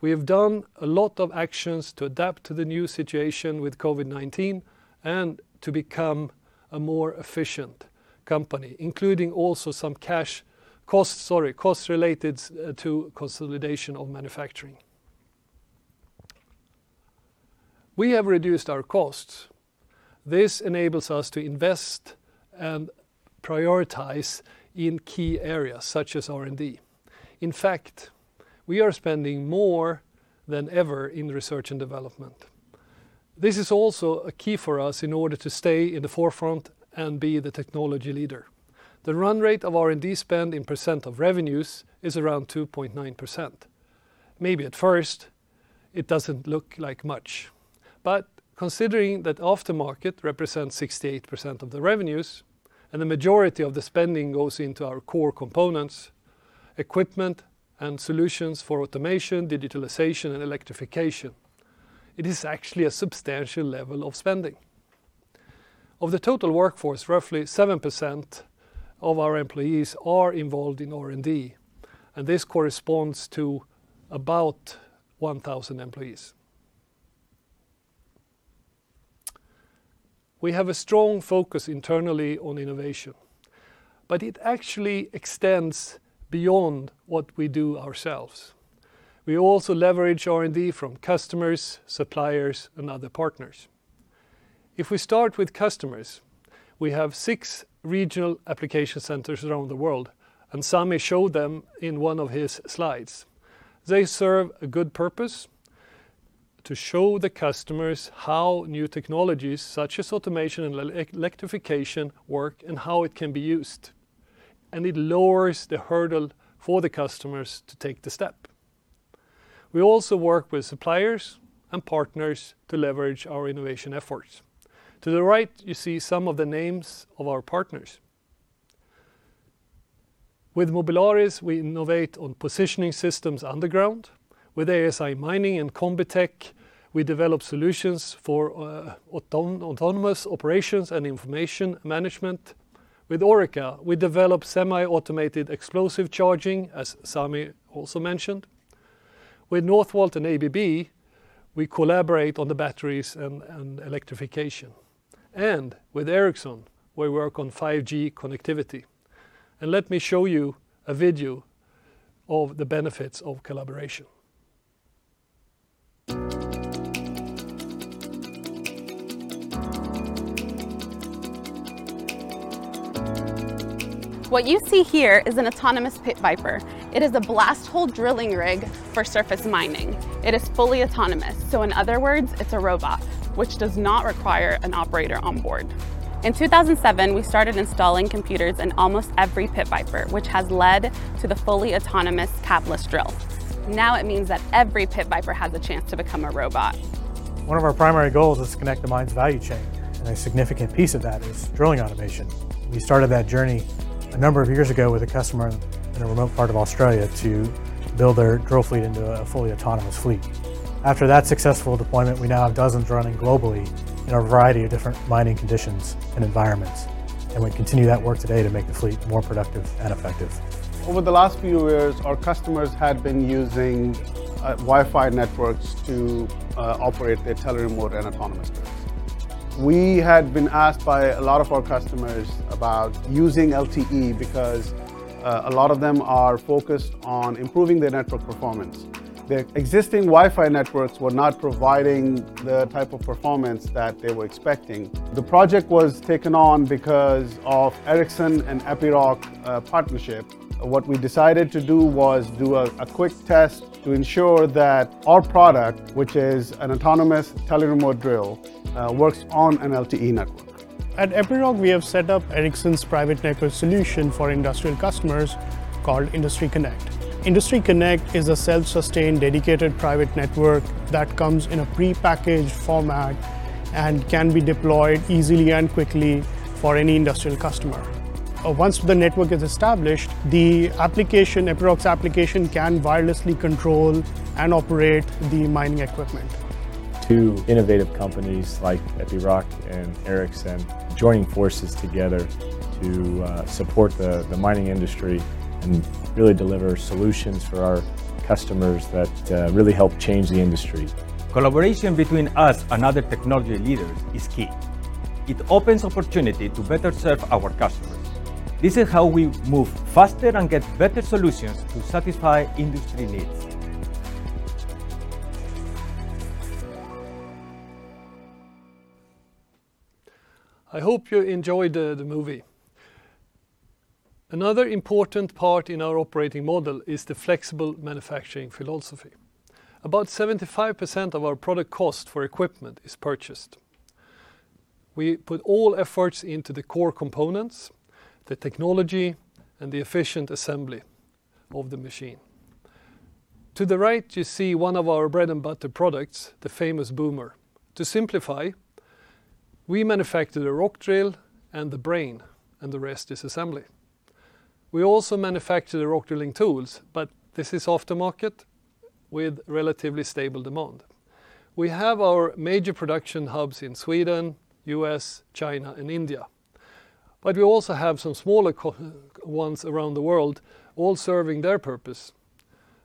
We have done a lot of actions to adapt to the new situation with COVID-19 and to become a more efficient company, including also some costs related to consolidation of manufacturing. We have reduced our costs. This enables us to invest and prioritize in key areas such as R&D. In fact, we are spending more than ever in research and development. This is also a key for us in order to stay in the forefront and be the technology leader. The run rate of R&D spend in percent of revenues is around 2.9%. Maybe at first it doesn't look like much, but considering that aftermarket represents 68% of the revenues and the majority of the spending goes into our core components, equipment, and solutions for automation, digitalization, and electrification, it is actually a substantial level of spending. Of the total workforce, roughly 7% of our employees are involved in R&D, and this corresponds to about 1,000 employees. We have a strong focus internally on innovation, but it actually extends beyond what we do ourselves. We also leverage R&D from customers, suppliers, and other partners. If we start with customers, we have six regional application centers around the world. Sami showed them in one of his slides. They serve a good purpose to show the customers how new technologies such as automation and electrification work and how it can be used. It lowers the hurdle for the customers to take the step. We also work with suppliers and partners to leverage our innovation efforts. To the right, you see some of the names of our partners. With Mobilaris, we innovate on positioning systems underground. With ASI Mining and Combitech, we develop solutions for autonomous operations and information management. With Orica, we develop semi-automated explosive charging, as Sami also mentioned. With Northvolt and ABB, we collaborate on the batteries and electrification. With Ericsson, we work on 5G connectivity. Let me show you a video of the benefits of collaboration. What you see here is an autonomous Pit Viper. It is a blast hole drilling rig for surface mining. It is fully autonomous. In other words, it's a robot, which does not require an operator on board. In 2007, we started installing computers in almost every Pit Viper, which has led to the fully autonomous cabless drill. It means that every Pit Viper has a chance to become a robot. One of our primary goals is to connect the mine's value chain, and a significant piece of that is drilling automation. We started that journey a number of years ago with a customer in a remote part of Australia to build their drill fleet into a fully autonomous fleet. After that successful deployment, we now have dozens running globally in a variety of different mining conditions and environments, and we continue that work today to make the fleet more productive and effective. Over the last few years, our customers had been using Wi-Fi networks to operate their tele-remote and autonomous drills. We had been asked by a lot of our customers about using LTE because a lot of them are focused on improving their network performance. Their existing Wi-Fi networks were not providing the type of performance that they were expecting. The project was taken on because of Ericsson and Epiroc partnership. What we decided to do was do a quick test to ensure that our product, which is an autonomous tele-remote drill, works on an LTE network. At Epiroc, we have set up Ericsson's private network solution for industrial customers called Industry Connect. Industry Connect is a self-sustained, dedicated private network that comes in a prepackaged format and can be deployed easily and quickly for any industrial customer. Once the network is established, Epiroc's application can wirelessly control and operate the mining equipment. Two innovative companies like Epiroc and Ericsson joining forces together to support the mining industry and really deliver solutions for our customers that really help change the industry. Collaboration between us and other technology leaders is key. It opens opportunity to better serve our customers. This is how we move faster and get better solutions to satisfy industry needs. I hope you enjoyed the movie. Another important part in our operating model is the flexible manufacturing philosophy. About 75% of our product cost for equipment is purchased. We put all efforts into the core components, the technology, and the efficient assembly of the machine. To the right, you see one of our bread and butter products, the famous Boomer. To simplify, we manufacture the rock drill and the brain, and the rest is assembly. We also manufacture the rock drilling tools, but this is after market with relatively stable demand. We have our major production hubs in Sweden, U.S., China, and India. We also have some smaller ones around the world, all serving their purpose.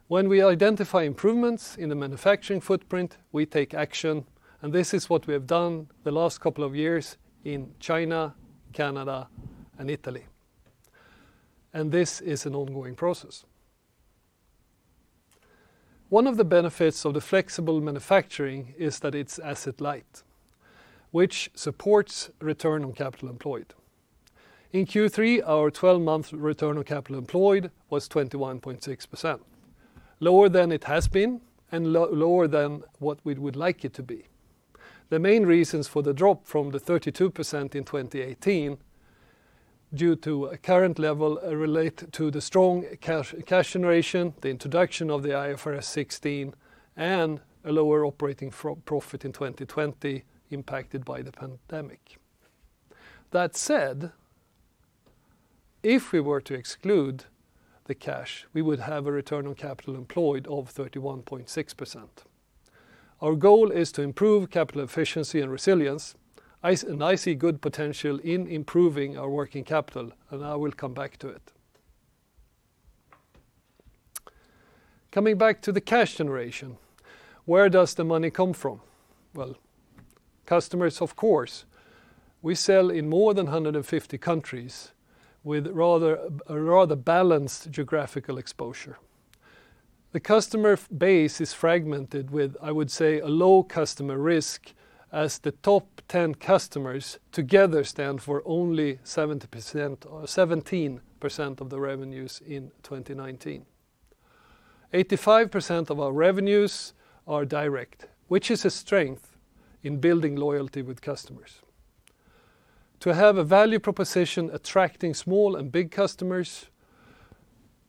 When we identify improvements in the manufacturing footprint, we take action, and this is what we have done the last couple of years in China, Canada, and Italy. This is an ongoing process. One of the benefits of the flexible manufacturing is that it's asset light, which supports return on capital employed. In Q3, our 12-month return on capital employed was 21.6%, lower than it has been and lower than what we would like it to be. The main reasons for the drop from the 32% in 2018, due to a current level related to the strong cash generation, the introduction of the IFRS 16, and a lower operating profit in 2020 impacted by the pandemic. That said, if we were to exclude the cash, we would have a return on capital employed of 31.6%. Our goal is to improve capital efficiency and resilience. I see good potential in improving our working capital, and I will come back to it. Coming back to the cash generation, where does the money come from? Well, customers, of course. We sell in more than 150 countries with a rather balanced geographical exposure. The customer base is fragmented with, I would say, a low customer risk as the top 10 customers together stand for only 17% of the revenues in 2019. 85% of our revenues are direct, which is a strength in building loyalty with customers. To have a value proposition attracting small and big customers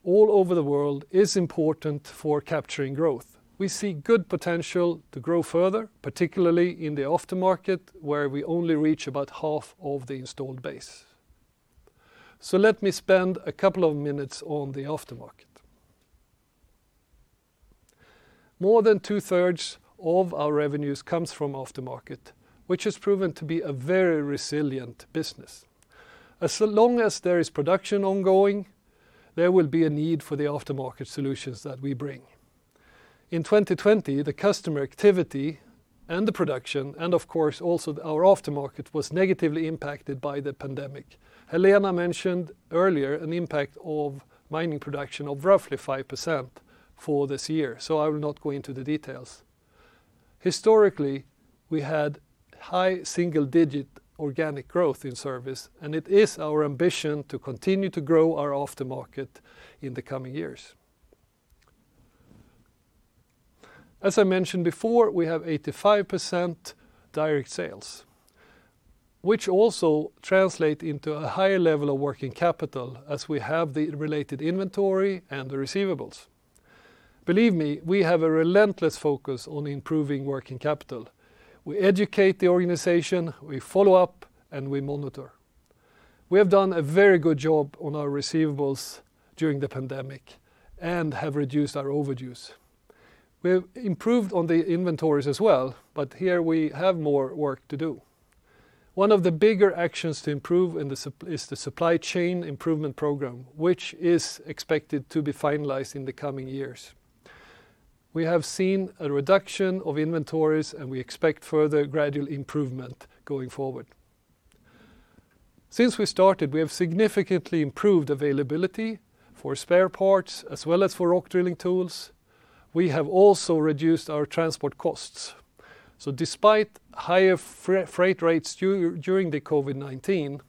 all over the world is important for capturing growth. We see good potential to grow further, particularly in the aftermarket, where we only reach about half of the installed base. Let me spend a couple of minutes on the aftermarket. More than two-thirds of our revenues comes from aftermarket, which has proven to be a very resilient business. As long as there is production ongoing, there will be a need for the aftermarket solutions that we bring. In 2020, the customer activity and the production, and of course also our aftermarket, was negatively impacted by the pandemic. Helena mentioned earlier an impact of mining production of roughly 5% for this year. I will not go into the details. Historically, we had high single-digit organic growth in service. It is our ambition to continue to grow our aftermarket in the coming years. As I mentioned before, we have 85% direct sales, which also translate into a higher level of working capital as we have the related inventory and the receivables. Believe me, we have a relentless focus on improving working capital. We educate the organization, we follow up, and we monitor. We have done a very good job on our receivables during the pandemic and have reduced our overages. We have improved on the inventories as well. Here we have more work to do. One of the bigger actions to improve is the Supply Chain Improvement Program, which is expected to be finalized in the coming years. We have seen a reduction of inventories, and we expect further gradual improvement going forward. Since we started, we have significantly improved availability for spare parts as well as for rock drilling tools. We have also reduced our transport costs. Despite higher freight rates during the COVID-19,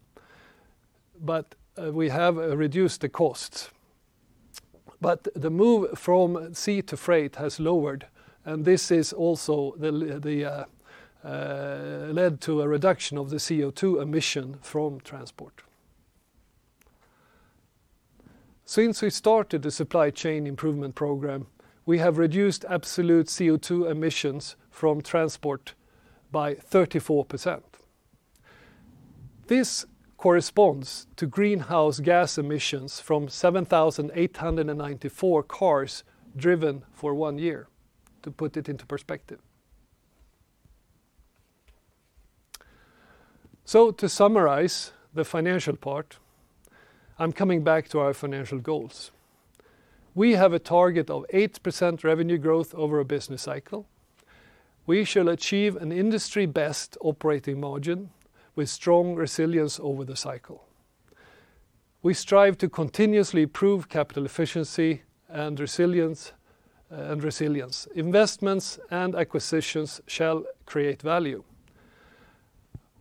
we have reduced the costs. The move from sea to freight has lowered, and this has also led to a reduction of the CO2 emission from transport. Since we started the Supply Chain Improvement Program, we have reduced absolute CO2 emissions from transport by 34%. This corresponds to greenhouse gas emissions from 7,894 cars driven for one year, to put it into perspective. To summarize the financial part, I'm coming back to our financial goals. We have a target of 8% revenue growth over a business cycle. We shall achieve an industry-best operating margin with strong resilience over the cycle. We strive to continuously improve capital efficiency and resilience. Investments and acquisitions shall create value.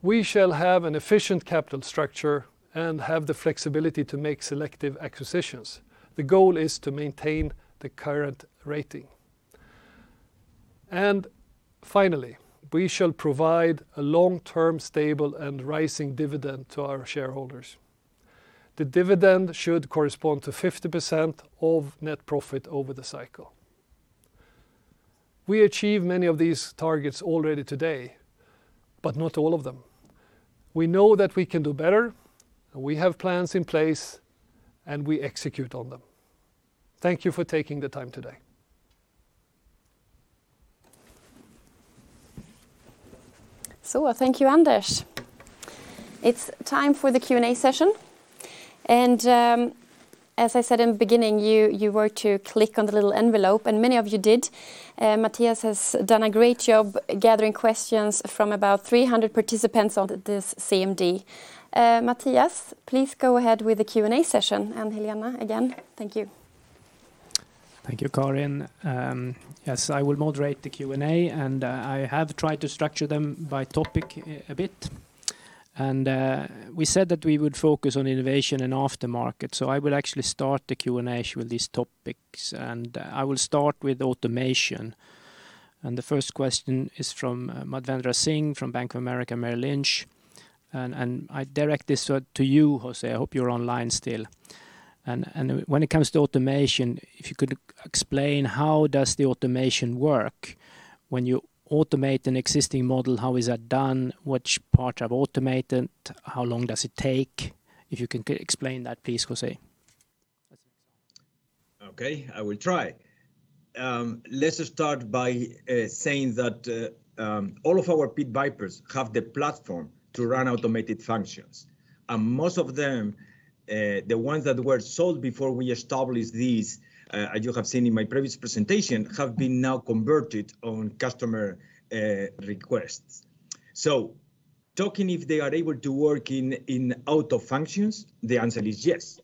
We shall have an efficient capital structure and have the flexibility to make selective acquisitions. The goal is to maintain the current rating. Finally, we shall provide a long-term, stable, and rising dividend to our shareholders. The dividend should correspond to 50% of net profit over the cycle. We achieve many of these targets already today, but not all of them. We know that we can do better, and we have plans in place, and we execute on them. Thank you for taking the time today. Thank you, Anders. It's time for the Q&A session. As I said in the beginning, you were to click on the little envelope, and many of you did. Mattias has done a great job gathering questions from about 300 participants on this CMD. Mattias, please go ahead with the Q&A session. Helena, again, thank you. Thank you, Karin. Yes, I will moderate the Q&A. I have tried to structure them by topic a bit. We said that we would focus on innovation and aftermarket. I will actually start the Q&A with these topics, and I will start with automation. The first question is from Madhavendra Singh from Bank of America, Merrill Lynch. I direct this to you, José. I hope you're online still. When it comes to automation, if you could explain how does the automation work? When you automate an existing model, how is that done? Which part have automated? How long does it take? If you can explain that, please, José. Okay, I will try. Let's start by saying that all of our Pit Vipers have the platform to run automated functions. Most of them, the ones that were sold before we established these, as you have seen in my previous presentation, have been now converted on customer requests. Talking if they are able to work in auto functions, the answer is yes,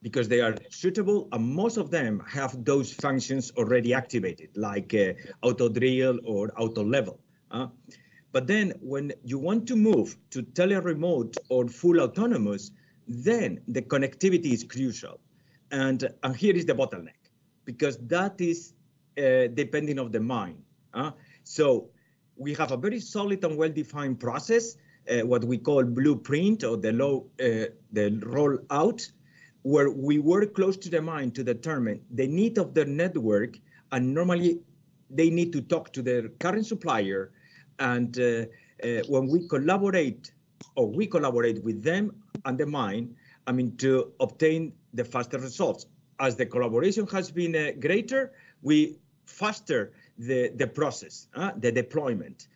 because they are suitable and most of them have those functions already activated, like auto drill or auto level. When you want to move to tele-remote or full autonomous, then the connectivity is crucial. Here is the bottleneck. Because that is dependent of the mine. We have a very solid and well-defined process, what we call blueprint or the rollout, where we work close to the mine to determine the need of the network, and normally they need to talk to their current supplier. When we collaborate with them and the mine, to obtain the faster results. As the collaboration has been greater, the faster the process, the deployment.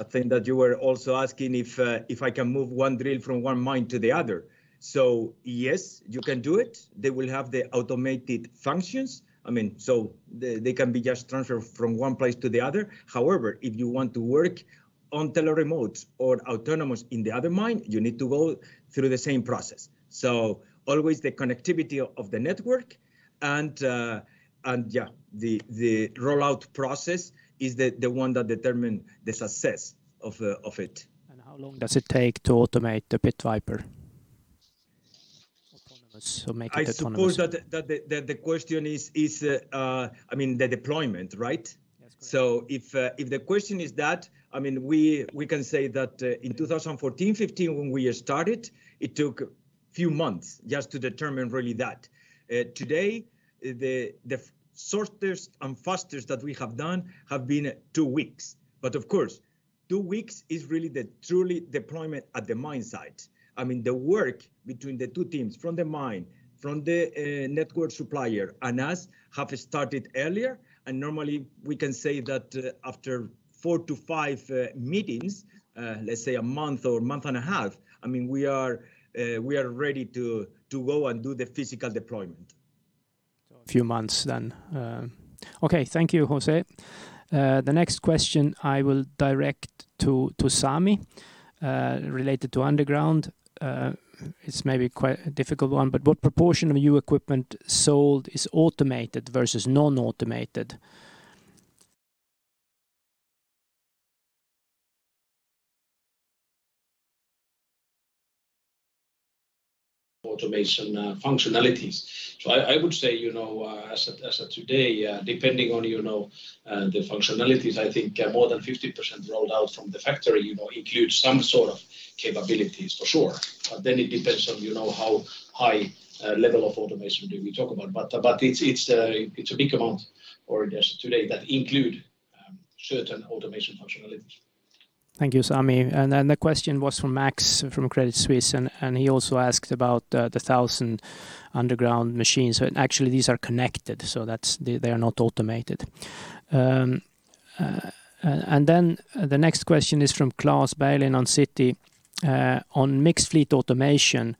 I think that you were also asking if I can move one drill from one mine to the other. Yes, you can do it. They will have the automated functions. They can be just transferred from one place to the other. However, if you want to work on teleremotes or autonomous in the other mine, you need to go through the same process. Always the connectivity of the network and, yeah, the rollout process is the one that determine the success of it. How long does it take to automate the Pit Viper autonomous or make it autonomous? I suppose that the question is the deployment, right? Yes, correct. If the question is that, we can say that in 2014, 2015, when we started, it took few months just to determine really that. Today, the shortest and fastest that we have done have been two weeks. Of course, two weeks is really the truly deployment at the mine site. The work between the two teams from the mine, from the network supplier and us have started earlier. Normally, we can say that after four to five meetings, let's say a month or month and a half, we are ready to go and do the physical deployment. A few months then. Okay. Thank you, José. The next question I will direct to Sami, related to underground. It's maybe quite a difficult one, but what proportion of your equipment sold is automated versus non-automated? Automation functionalities. I would say, as of today, depending on the functionalities, I think more than 50% rolled out from the factory includes some sort of capabilities for sure. It depends on how high level of automation do we talk about. It's a big amount or just today that include certain automation functionalities. Thank you, Sami. The question was from Max from Credit Suisse, and he also asked about the 1,000 underground machines. Actually, these are connected, so they are not automated. The next question is from Klas Bergelind on Citi. On mixed fleet automation,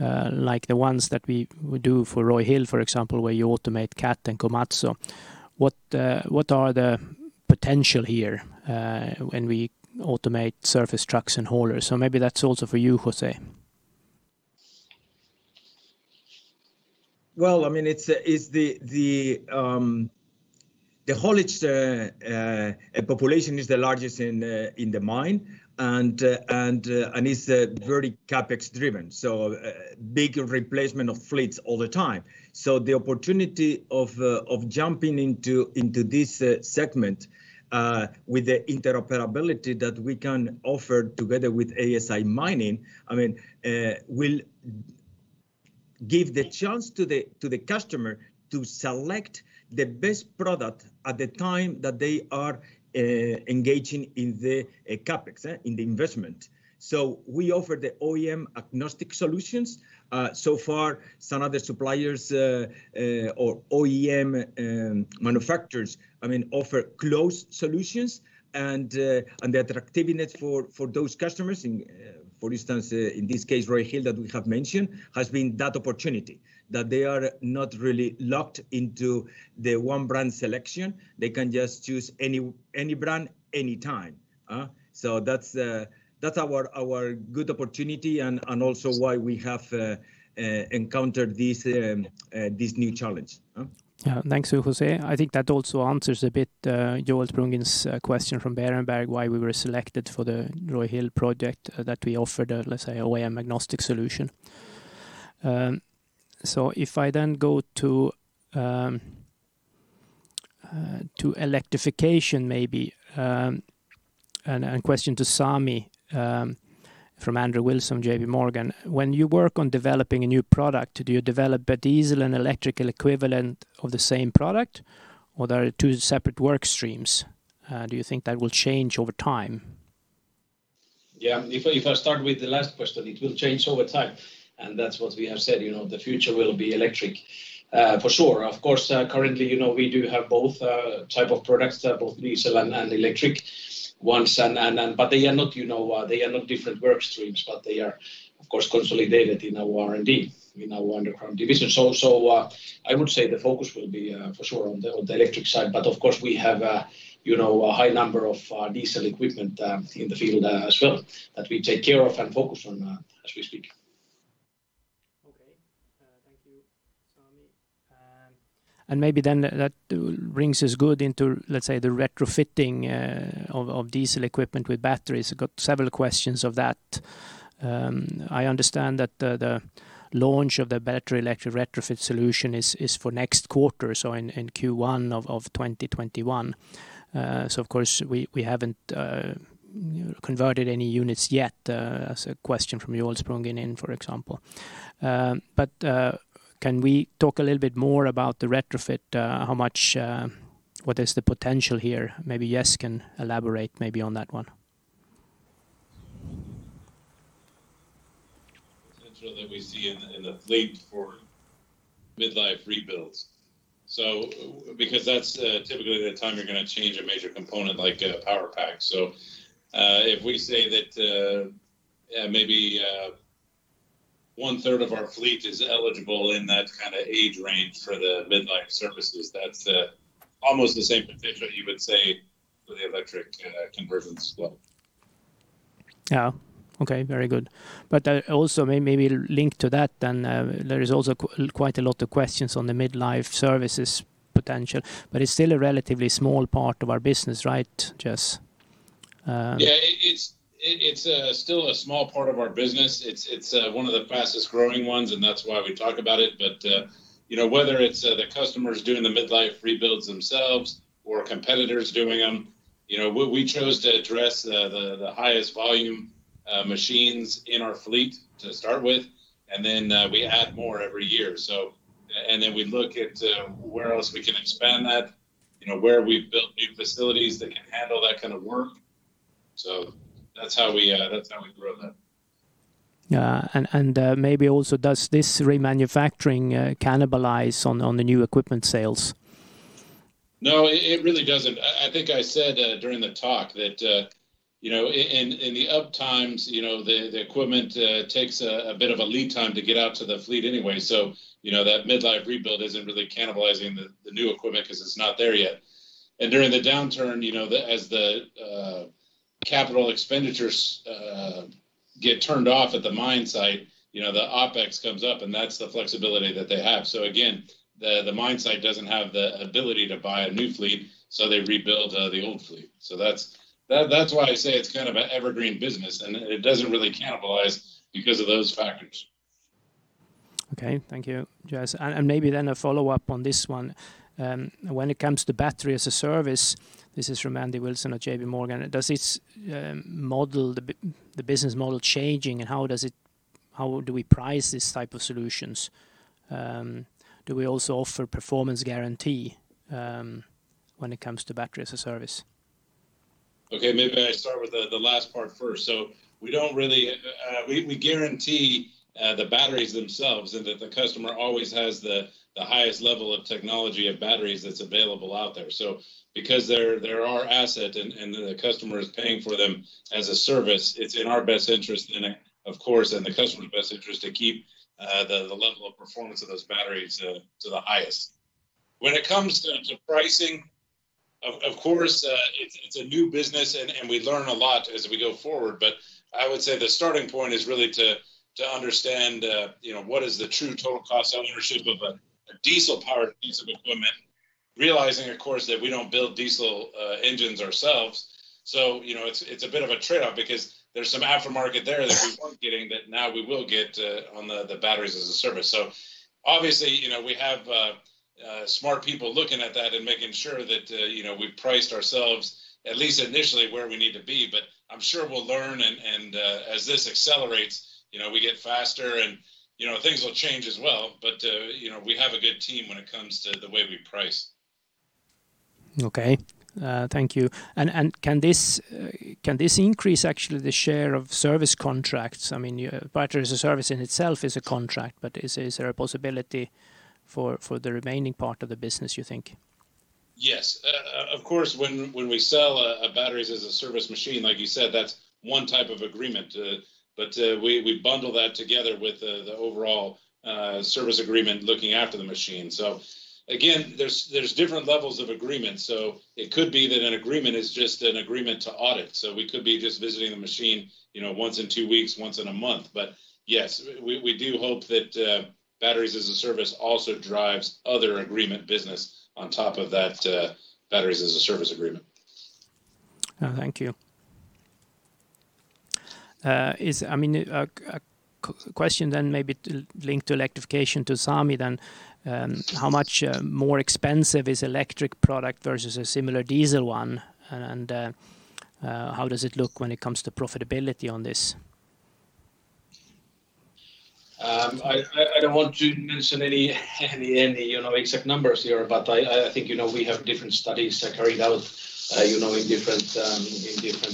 like the ones that we do for Roy Hill, for example, where you automate Caterpillar and Komatsu. What are the potential here when we automate surface trucks and haulers? Maybe that's also for you, José. Well, the haulage population is the largest in the mine, and it's very CapEx driven, so bigger replacement of fleets all the time. The opportunity of jumping into this segment, with the interoperability that we can offer together with ASI Mining, will give the chance to the customer to select the best product at the time that they are engaging in the CapEx, in the investment. We offer the OEM agnostic solutions. So far, some of the suppliers, or OEM manufacturers offer closed solutions and the attractiveness for those customers in, for instance, in this case, Roy Hill, that we have mentioned, has been that opportunity. That they are not really locked into the one brand selection. They can just choose any brand anytime. That's our good opportunity and also why we have encountered this new challenge. Thanks, José. I think that also answers a bit Joel Spungin's question from Berenberg, why we were selected for the Roy Hill project, that we offered a, let's say, OEM agnostic solution. If I go to electrification maybe, and a question to Sami, from Andrew Wilson, JPMorgan. When you work on developing a new product, do you develop a diesel and electrical equivalent of the same product, or they are two separate work streams? Do you think that will change over time? Yeah. If I start with the last question, it will change over time, and that's what we have said. The future will be electric, for sure. Of course, currently, we do have both type of products, both diesel and electric ones. They are not different work streams, but they are, of course, consolidated in our R&D, in our Underground division. I would say the focus will be, for sure on the electric side, but of course we have a high number of diesel equipment in the field as well that we take care of and focus on as we speak. Okay. Thank you. That brings us good into, let's say, the retrofitting of diesel equipment with batteries. I got several questions of that. I understand that the launch of the battery electric retrofit solution is for next quarter, so in Q1 of 2021. Of course, we haven't converted any units yet. That's a question from Joel Spungin, for example. Can we talk a little bit more about the retrofit? What is the potential here? Maybe Jess can elaborate on that one. Potential that we see in the fleet for mid-life rebuilds. Because that's typically the time you're going to change a major component like a power pack. If we say that maybe one third of our fleet is eligible in that kind of age range for the mid-life services, that's almost the same potential you would say for the electric conversions as well. Yeah. Okay. Very good. Also, maybe link to that then, there is also quite a lot of questions on the mid-life services potential, but it's still a relatively small part of our business, right, Jess? It's still a small part of our business. It's one of the fastest-growing ones, and that's why we talk about it. Whether it's the customers doing the mid-life rebuilds themselves or competitors doing them, we chose to address the highest volume machines in our fleet to start with, then we add more every year. We look at where else we can expand that, where we've built new facilities that can handle that kind of work. That's how we grow that. Yeah. Maybe also, does this remanufacturing cannibalize on the new equipment sales? No, it really doesn't. I think I said during the talk that in the up times, the equipment takes a bit of a lead time to get out to the fleet anyway. That mid-life rebuild isn't really cannibalizing the new equipment because it's not there yet. During the downturn, as the CapEx get turned off at the mine site, the OpEx comes up, and that's the flexibility that they have. Again, the mine site doesn't have the ability to buy a new fleet, so they rebuild the old fleet. That's why I say it's kind of an evergreen business, and it doesn't really cannibalize because of those factors. Okay. Thank you, Jess. Maybe a follow-up on this one. When it comes to Batteries as a Service, this is from Andrew Wilson at JPMorgan, does the business model changing, and how do we price this type of solutions? Do we also offer performance guarantee when it comes to Batteries as a Service? Maybe I start with the last part first. We guarantee the batteries themselves and that the customer always has the highest level of technology of batteries that's available out there. Because they're our asset and the customer is paying for them as a service, it's in our best interest, of course, and the customer's best interest to keep the level of performance of those batteries to the highest. When it comes to pricing, of course, it's a new business, and we learn a lot as we go forward. I would say the starting point is really to understand what is the true total cost of ownership of a diesel-powered piece of equipment, realizing, of course, that we don't build diesel engines ourselves. It's a bit of a trade-off because there's some aftermarket there that we weren't getting that now we will get on the Batteries as a Service. Obviously, we have smart people looking at that and making sure that we've priced ourselves, at least initially, where we need to be. I'm sure we'll learn, and as this accelerates, we get faster and things will change as well. We have a good team when it comes to the way we price. Okay. Thank you. Can this increase actually the share of service contracts? I mean, Batteries as a Service in itself is a contract, but is there a possibility for the remaining part of the business, you think? Yes. Of course, when we sell a Batteries as a Service machine, like you said, that's one type of agreement. We bundle that together with the overall service agreement looking after the machine. Again, there's different levels of agreement. It could be that an agreement is just an agreement to audit. We could be just visiting the machine once in two weeks, once in a month. Yes, we do hope that Batteries as a Service also drives other agreement business on top of that Batteries as a Service agreement. Thank you. A question maybe linked to electrification to Sami. How much more expensive is electric product versus a similar diesel one, and how does it look when it comes to profitability on this? I don't want to mention any exact numbers here, but I think we have different studies carried out in different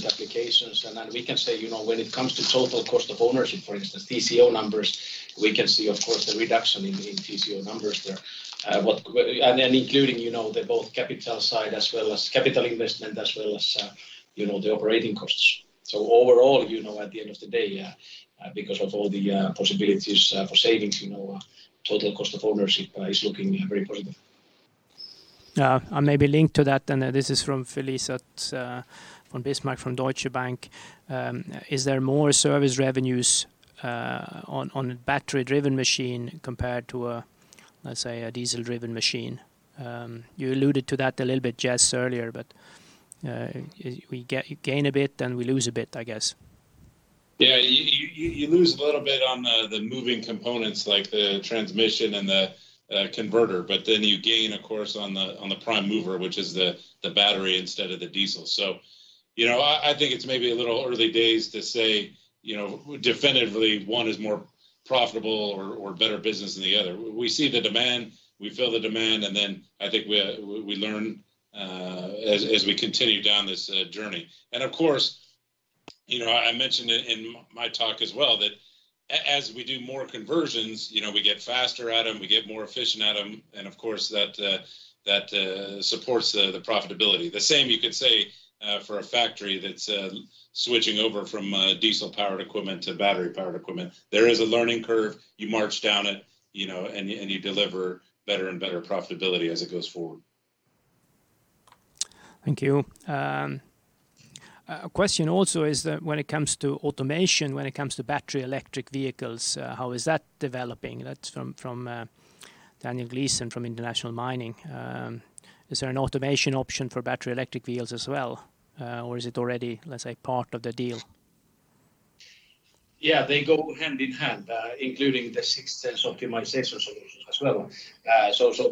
applications. We can say when it comes to total cost of ownership, for instance, TCO numbers, we can see, of course, the reduction in TCO numbers there. Including both capital side as well as capital investment, as well as the operating costs. Overall, at the end of the day, because of all the possibilities for savings, total cost of ownership is looking very positive. Maybe linked to that then, this is from Felice von Bismarck from Deutsche Bank. Is there more service revenues on a battery-driven machine compared to a, let's say, a diesel-driven machine? You alluded to that a little bit, Jess, earlier, but we gain a bit, then we lose a bit, I guess. Yeah. You lose a little bit on the moving components like the transmission and the converter, you gain, of course, on the prime mover, which is the battery instead of the diesel. I think it's maybe a little early days to say definitively one is more profitable or better business than the other. We see the demand, we fill the demand, I think we learn as we continue down this journey. Of course, I mentioned it in my talk as well, that as we do more conversions, we get faster at them, we get more efficient at them. Of course that supports the profitability. The same you could say for a factory that's switching over from diesel-powered equipment to battery-powered equipment. There is a learning curve. You march down it, and you deliver better and better profitability as it goes forward. Thank you. A question also is that when it comes to automation, when it comes to battery electric vehicles, how is that developing? That's from Daniel Gleeson from International Mining. Is there an automation option for battery electric vehicles as well, or is it already, let's say, part of the deal? Yeah, they go hand in hand, including the 6th Sense optimization solutions as well.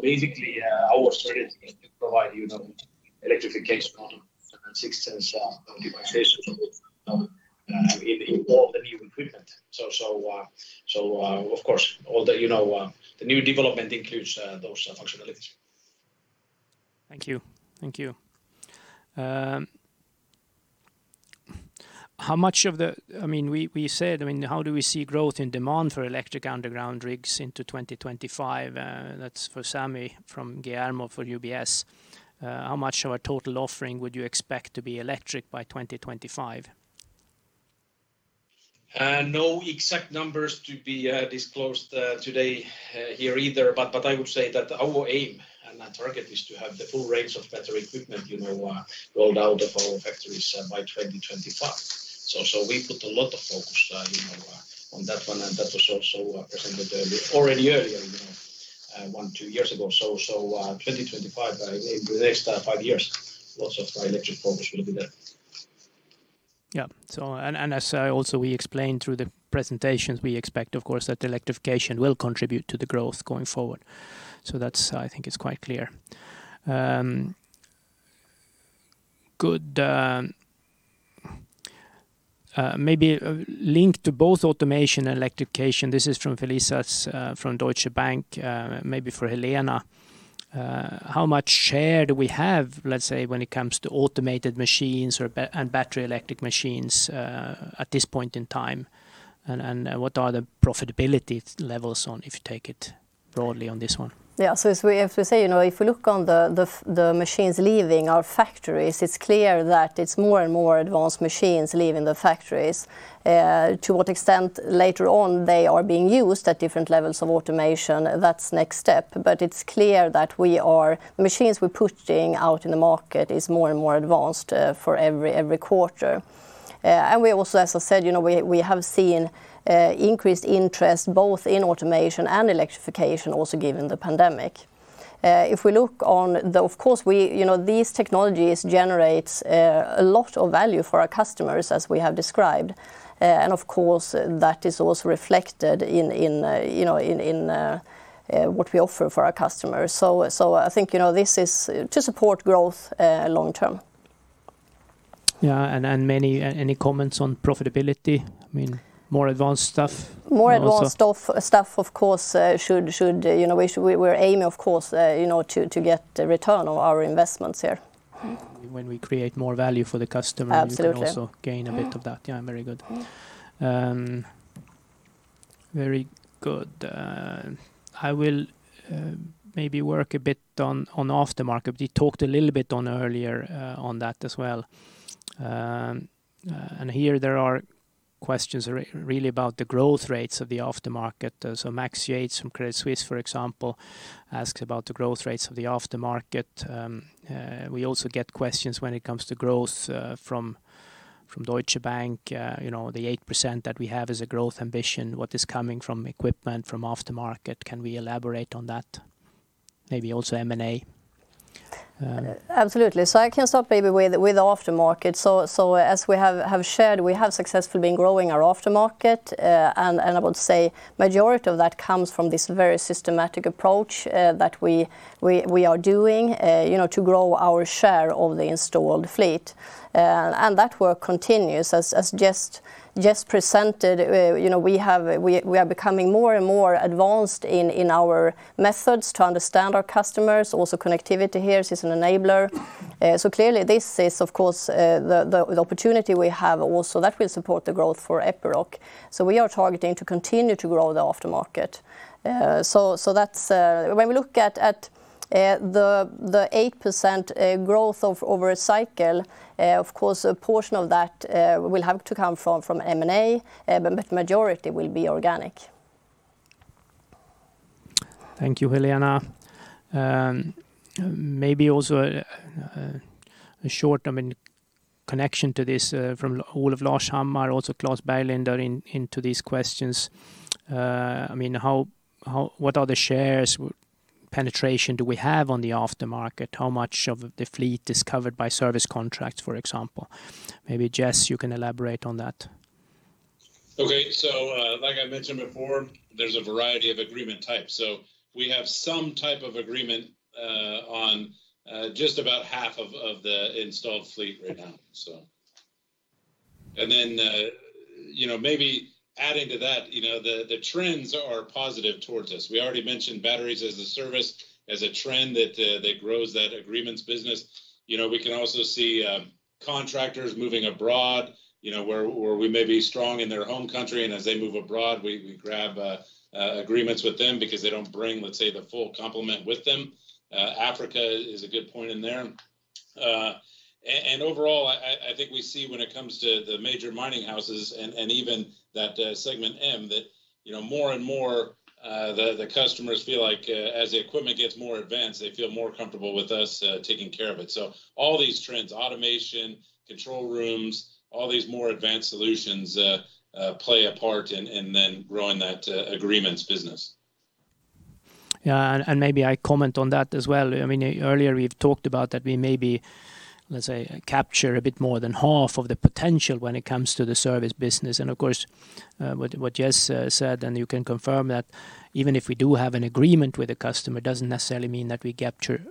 Basically, our strategy is to provide electrification on 6th Sense optimization solution in all the new equipment. Of course, all the new development includes those functionalities. Thank you. How do we see growth in demand for electric underground rigs into 2025? That's for Sami from Guillermo for UBS. How much of our total offering would you expect to be electric by 2025? No exact numbers to be disclosed today here either. I would say that our aim and our target is to have the full range of battery equipment rolled out of our factories by 2025. We put a lot of focus on that one, and that was also presented already earlier one, two years ago. 2025, in the next five years, lots of our electric focus will be there. Yeah. As also we explained through the presentations, we expect, of course, that electrification will contribute to the growth going forward. That I think is quite clear. Good. Maybe linked to both automation and electrification. This is from Felice from Deutsche Bank, maybe for Helena. How much share do we have, let's say, when it comes to automated machines or battery electric machines at this point in time? What are the profitability levels on if you take it broadly on this one? Yeah. As we say, if we look on the machines leaving our factories, it's clear that it's more and more advanced machines leaving the factories. To what extent later on they are being used at different levels of automation, that's next step. It's clear that the machines we're putting out in the market is more and more advanced for every quarter. We also, as I said, we have seen increased interest both in automation and electrification also given the pandemic. Of course, these technologies generates a lot of value for our customers as we have described. Of course, that is also reflected in what we offer for our customers. I think this is to support growth long term. Yeah, any comments on profitability? More advanced stuff also. More advanced stuff, of course, we're aiming, of course, to get the return on our investments here. When we create more value for the customer. Absolutely. We can also gain a bit of that. Yeah, very good. I will maybe work a bit on aftermarket. We talked a little bit earlier on that as well. Here there are questions really about the growth rates of the aftermarket. Max Yates from Credit Suisse, for example, asks about the growth rates of the aftermarket. We also get questions when it comes to growth from Deutsche Bank. The 8% that we have as a growth ambition, what is coming from equipment, from aftermarket, can we elaborate on that? Maybe also M&A. Absolutely. I can start maybe with aftermarket. As we have shared, we have successfully been growing our aftermarket. I would say majority of that comes from this very systematic approach that we are doing to grow our share of the installed fleet. That work continues. As Jess presented, we are becoming more and more advanced in our methods to understand our customers. Also connectivity here is an enabler. Clearly this is, of course, the opportunity we have also that will support the growth for Epiroc. We are targeting to continue to grow the aftermarket. When we look at the 8% growth over a cycle, of course, a portion of that will have to come from M&A, but majority will be organic. Thank you, Helena. Maybe also a short connection to this from Olof Larshammar, also Klas Bergelind into these questions. What other shares penetration do we have on the aftermarket? How much of the fleet is covered by service contracts, for example? Maybe Jess, you can elaborate on that. Okay, like I mentioned before, there's a variety of agreement types. We have some type of agreement on just about half of the installed fleet right now. Maybe adding to that, the trends are positive towards us. We already mentioned Batteries as a Service, as a trend that grows that agreements business. We can also see contractors moving abroad, where we may be strong in their home country, and as they move abroad, we grab agreements with them because they don't bring, let's say, the full complement with them. Africa is a good point in there. Overall, I think we see when it comes to the major mining houses and even that segment M, that more and more the customers feel like as the equipment gets more advanced, they feel more comfortable with us taking care of it. All these trends, automation, control rooms, all these more advanced solutions, play a part in then growing that agreements business. Yeah, maybe I comment on that as well. Earlier we've talked about that we maybe, let's say, capture a bit more than half of the potential when it comes to the service business. Of course, what Jess said, and you can confirm that even if we do have an agreement with a customer, it doesn't necessarily mean that we capture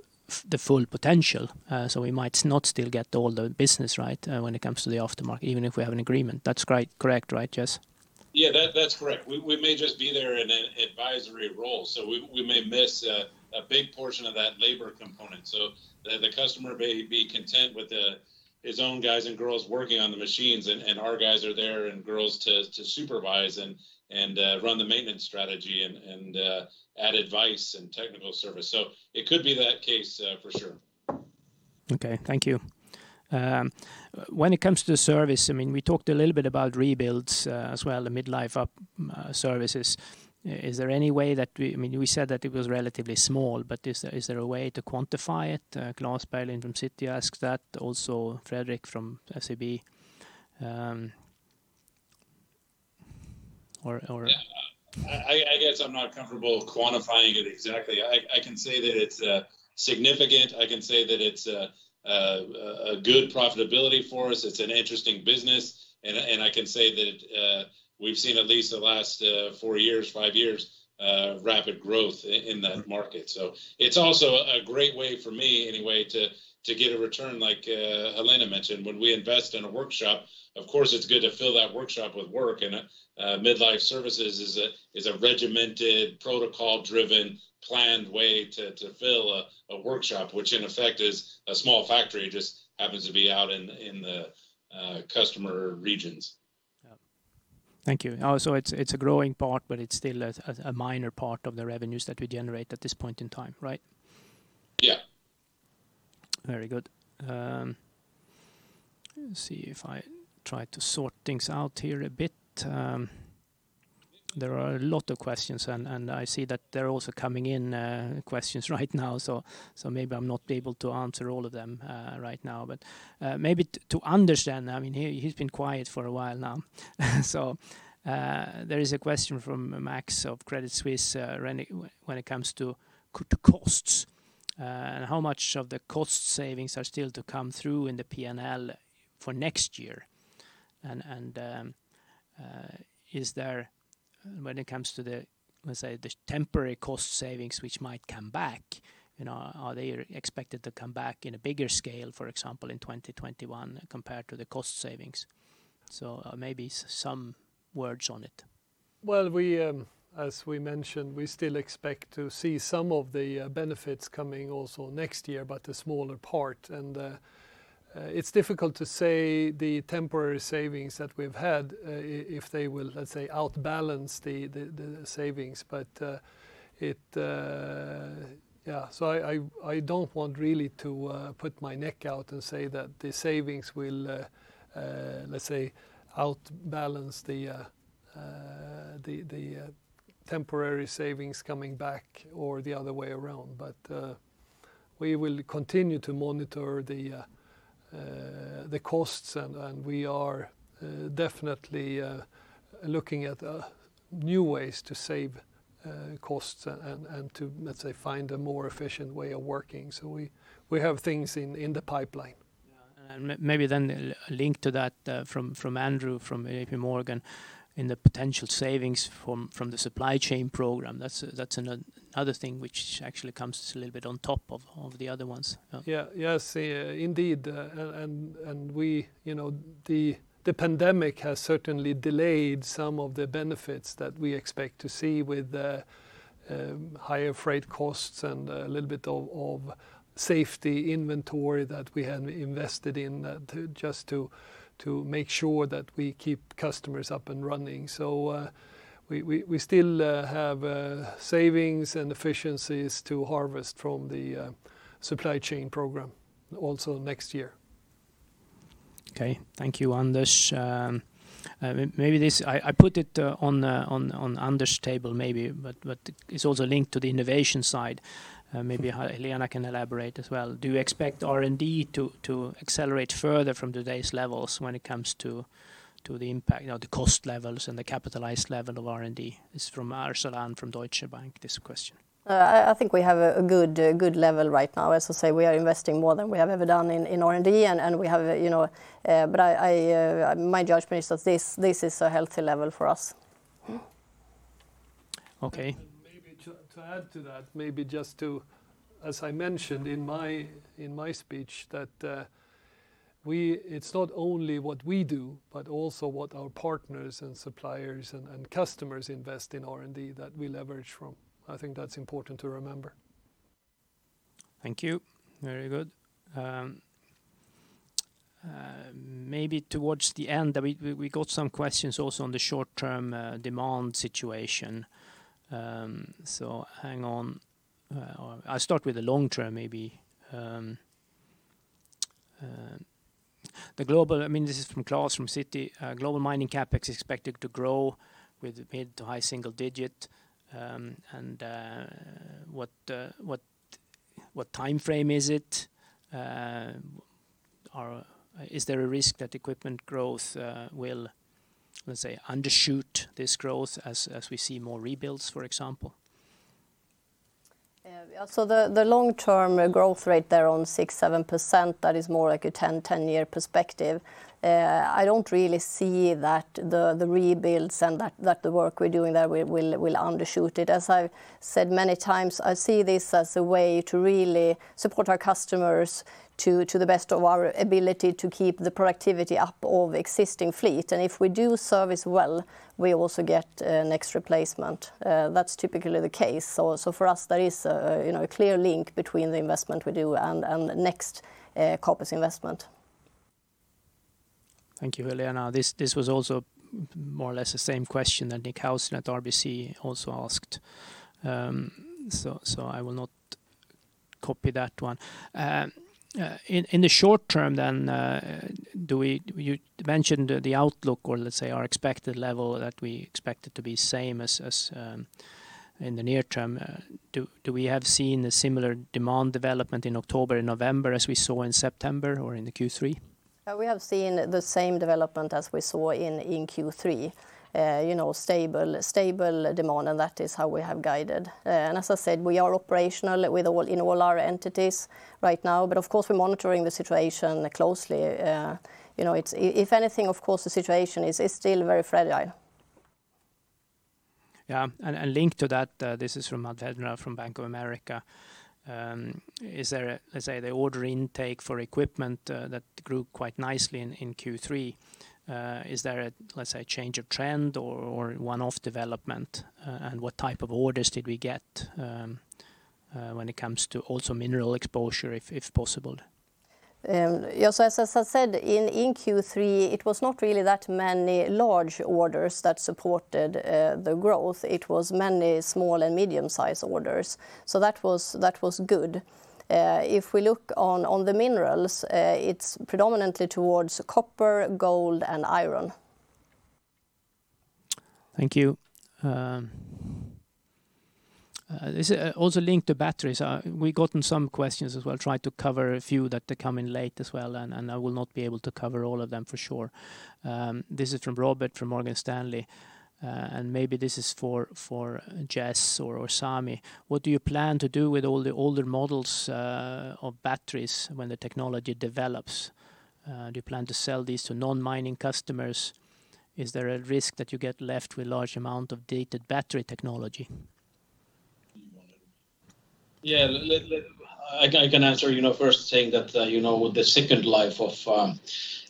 the full potential. We might not still get all the business, when it comes to the aftermarket, even if we have an agreement. That's correct, right, Jess? That's correct. We may just be there in an advisory role. We may miss a big portion of that labor component. The customer may be content with his own guys and girls working on the machines, and our guys are there, and girls, to supervise and run the maintenance strategy and add advice and technical service. It could be that case for sure. Okay. Thank you. When it comes to service, we talked a little bit about rebuilds as well, the mid-life up services. We said that it was relatively small, but is there a way to quantify it? Klas Bergelind from Citi asked that, also Fredrik from SEB. I guess I'm not comfortable quantifying it exactly. I can say that it's significant. I can say that it's a good profitability for us. It's an interesting business. I can say that we've seen at least the last four years, five years, rapid growth in that market. It's also a great way for me anyway, to get a return, like Helena mentioned. When we invest in a workshop, of course, it's good to fill that workshop with work, and mid-life services is a regimented, protocol-driven, planned way to fill a workshop, which in effect is a small factory, just happens to be out in the customer regions. Yeah. Thank you. It's a growing part, but it's still a minor part of the revenues that we generate at this point in time, right? Yeah. Very good. Let's see if I try to sort things out here a bit. There are a lot of questions, and I see that they're also coming in, questions right now, so maybe I'm not able to answer all of them right now. Maybe to understand, he's been quiet for a while now. There is a question from Max of Credit Suisse when it comes to costs. How much of the cost savings are still to come through in the P&L for next year? When it comes to the, let's say, the temporary cost savings, which might come back, are they expected to come back in a bigger scale, for example, in 2021 compared to the cost savings? Maybe some words on it. Well, as we mentioned, we still expect to see some of the benefits coming also next year, but a smaller part. It's difficult to say the temporary savings that we've had, if they will, let's say, outbalance the savings. I don't want really to put my neck out and say that the savings will, let's say, outbalance the temporary savings coming back or the other way around. We will continue to monitor the costs, and we are definitely looking at new ways to save costs and to, let's say, find a more efficient way of working. We have things in the pipeline. Yeah. Maybe then a link to that from Andrew, from JPMorgan in the potential savings from the supply chain program. That's another thing which actually comes a little bit on top of the other ones. Yes. Indeed. The pandemic has certainly delayed some of the benefits that we expect to see with higher freight costs and a little bit of safety inventory that we have invested in just to make sure that we keep customers up and running. We still have savings and efficiencies to harvest from the supply chain program also next year. Okay. Thank you, Anders. I put it on Anders table maybe. It's also linked to the innovation side. Maybe Helena can elaborate as well. Do you expect R&D to accelerate further from today's levels when it comes to the cost levels and the capitalized level of R&D? This is from Arsalan from Deutsche Bank, this question. I think we have a good level right now. As I say, we are investing more than we have ever done in R&D. My judgment is that this is a healthy level for us. Okay. Maybe to add to that, as I mentioned in my speech, that it is not only what we do, but also what our partners and suppliers and customers invest in R&D that we leverage from. I think that is important to remember. Thank you. Very good. Maybe towards the end, we got some questions also on the short-term demand situation. Hang on. I'll start with the long term, maybe. This is from Klas from Citi. Global mining CapEx is expected to grow with mid to high single-digit percentage. What time frame is it? Is there a risk that equipment growth will, let's say, undershoot this growth as we see more rebuilds, for example? The long-term growth rate there on 6%-7%, that is more like a 10-year perspective. I don't really see that the rebuilds and that the work we're doing there will undershoot it. As I've said many times, I see this as a way to really support our customers to the best of our ability to keep the productivity up of existing fleet, and if we do service well, we also get a next replacement. That's typically the case. For us, there is a clear link between the investment we do and next corpus investment. Thank you, Helena. This was also more or less the same question that Nick Housden at RBC also asked, so I will not copy that one. In the short term then, you mentioned the outlook or let's say, our expected level that we expect it to be same as in the near term. Do we have seen a similar demand development in October and November as we saw in September or in the Q3? We have seen the same development as we saw in Q3. That is how we have guided. As I said, we are operational in all our entities right now, but of course, we're monitoring the situation closely. If anything, of course, the situation is still very fragile. Yeah, linked to that, this is from Matt Dedner from Bank of America. The order intake for equipment that grew quite nicely in Q3, is there a change of trend or one-off development? What type of orders did we get when it comes to also mineral exposure, if possible? As I said, in Q3, it was not really that many large orders that supported the growth. It was many small and medium-sized orders. That was good. If we look on the minerals, it's predominantly towards copper, gold, and iron. Thank you. Also linked to batteries. We've gotten some questions as well. Try to cover a few that come in late as well, and I will not be able to cover all of them for sure. This is from Robert from Morgan Stanley, and maybe this is for Jess or Sami. What do you plan to do with all the older models of batteries when the technology develops? Do you plan to sell these to non-mining customers? Is there a risk that you get left with large amount of dated battery technology? Yeah. I can answer first saying that the second life of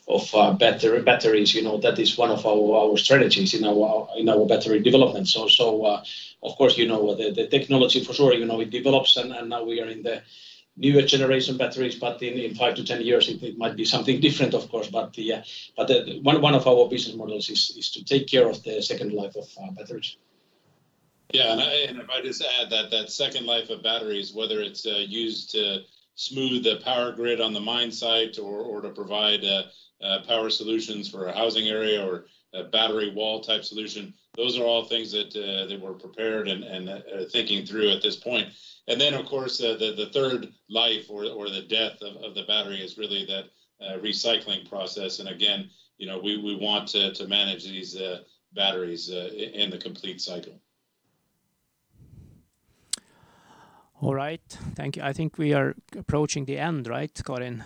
batteries that is one of our strategies in our battery development. Of course, the technology for sure it develops, and now we are in the newer generation batteries, but in 5-10 years, it might be something different, of course. One of our business models is to take care of the second life of batteries. If I just add that that second life of batteries, whether it's used to smooth the power grid on the mine site or to provide power solutions for a housing area or a battery wall type solution, those are all things that we're prepared and thinking through at this point. Of course, the third life or the death of the battery is really that recycling process. We want to manage these batteries in the complete cycle. All right. Thank you. I think we are approaching the end, right, Karin?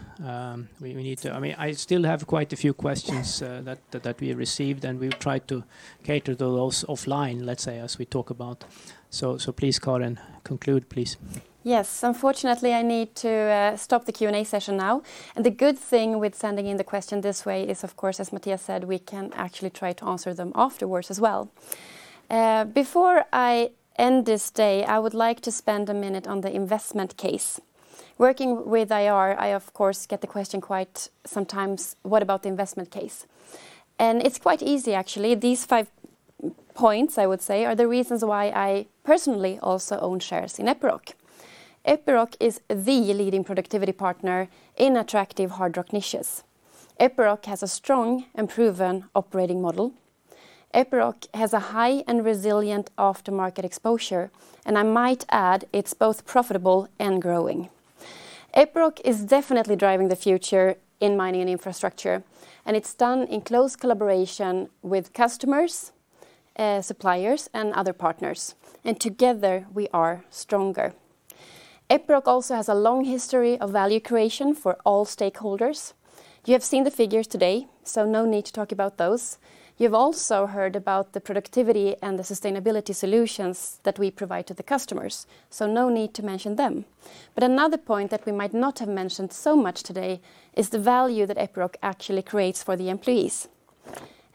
I still have quite a few questions that we received. We will try to cater to those offline, let's say, as we talk about. Please, Karin, conclude, please. Yes. Unfortunately, I need to stop the Q&A session now. The good thing with sending in the question this way is, of course, as Mattias said, we can actually try to answer them afterwards as well. Before I end this day, I would like to spend a minute on the investment case. Working with IR, I, of course, get the question quite sometimes, what about the investment case? It's quite easy, actually. These five points, I would say, are the reasons why I personally also own shares in Epiroc. Epiroc is the leading productivity partner in attractive hard rock niches. Epiroc has a strong and proven operating model. Epiroc has a high and resilient aftermarket exposure, and I might add it's both profitable and growing. Epiroc is definitely driving the future in mining and infrastructure, and it's done in close collaboration with customers, suppliers, and other partners. Together, we are stronger. Epiroc also has a long history of value creation for all stakeholders. You have seen the figures today, no need to talk about those. You have also heard about the productivity and the sustainability solutions that we provide to the customers, no need to mention them. Another point that we might not have mentioned so much today is the value that Epiroc actually creates for the employees.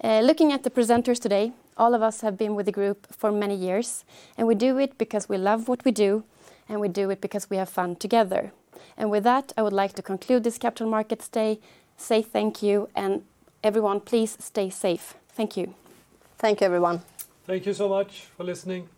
Looking at the presenters today, all of us have been with the group for many years, and we do it because we love what we do, and we do it because we have fun together. With that, I would like to conclude this Capital Markets Day, say thank you, and everyone, please stay safe. Thank you. Thank you, everyone. Thank you so much for listening.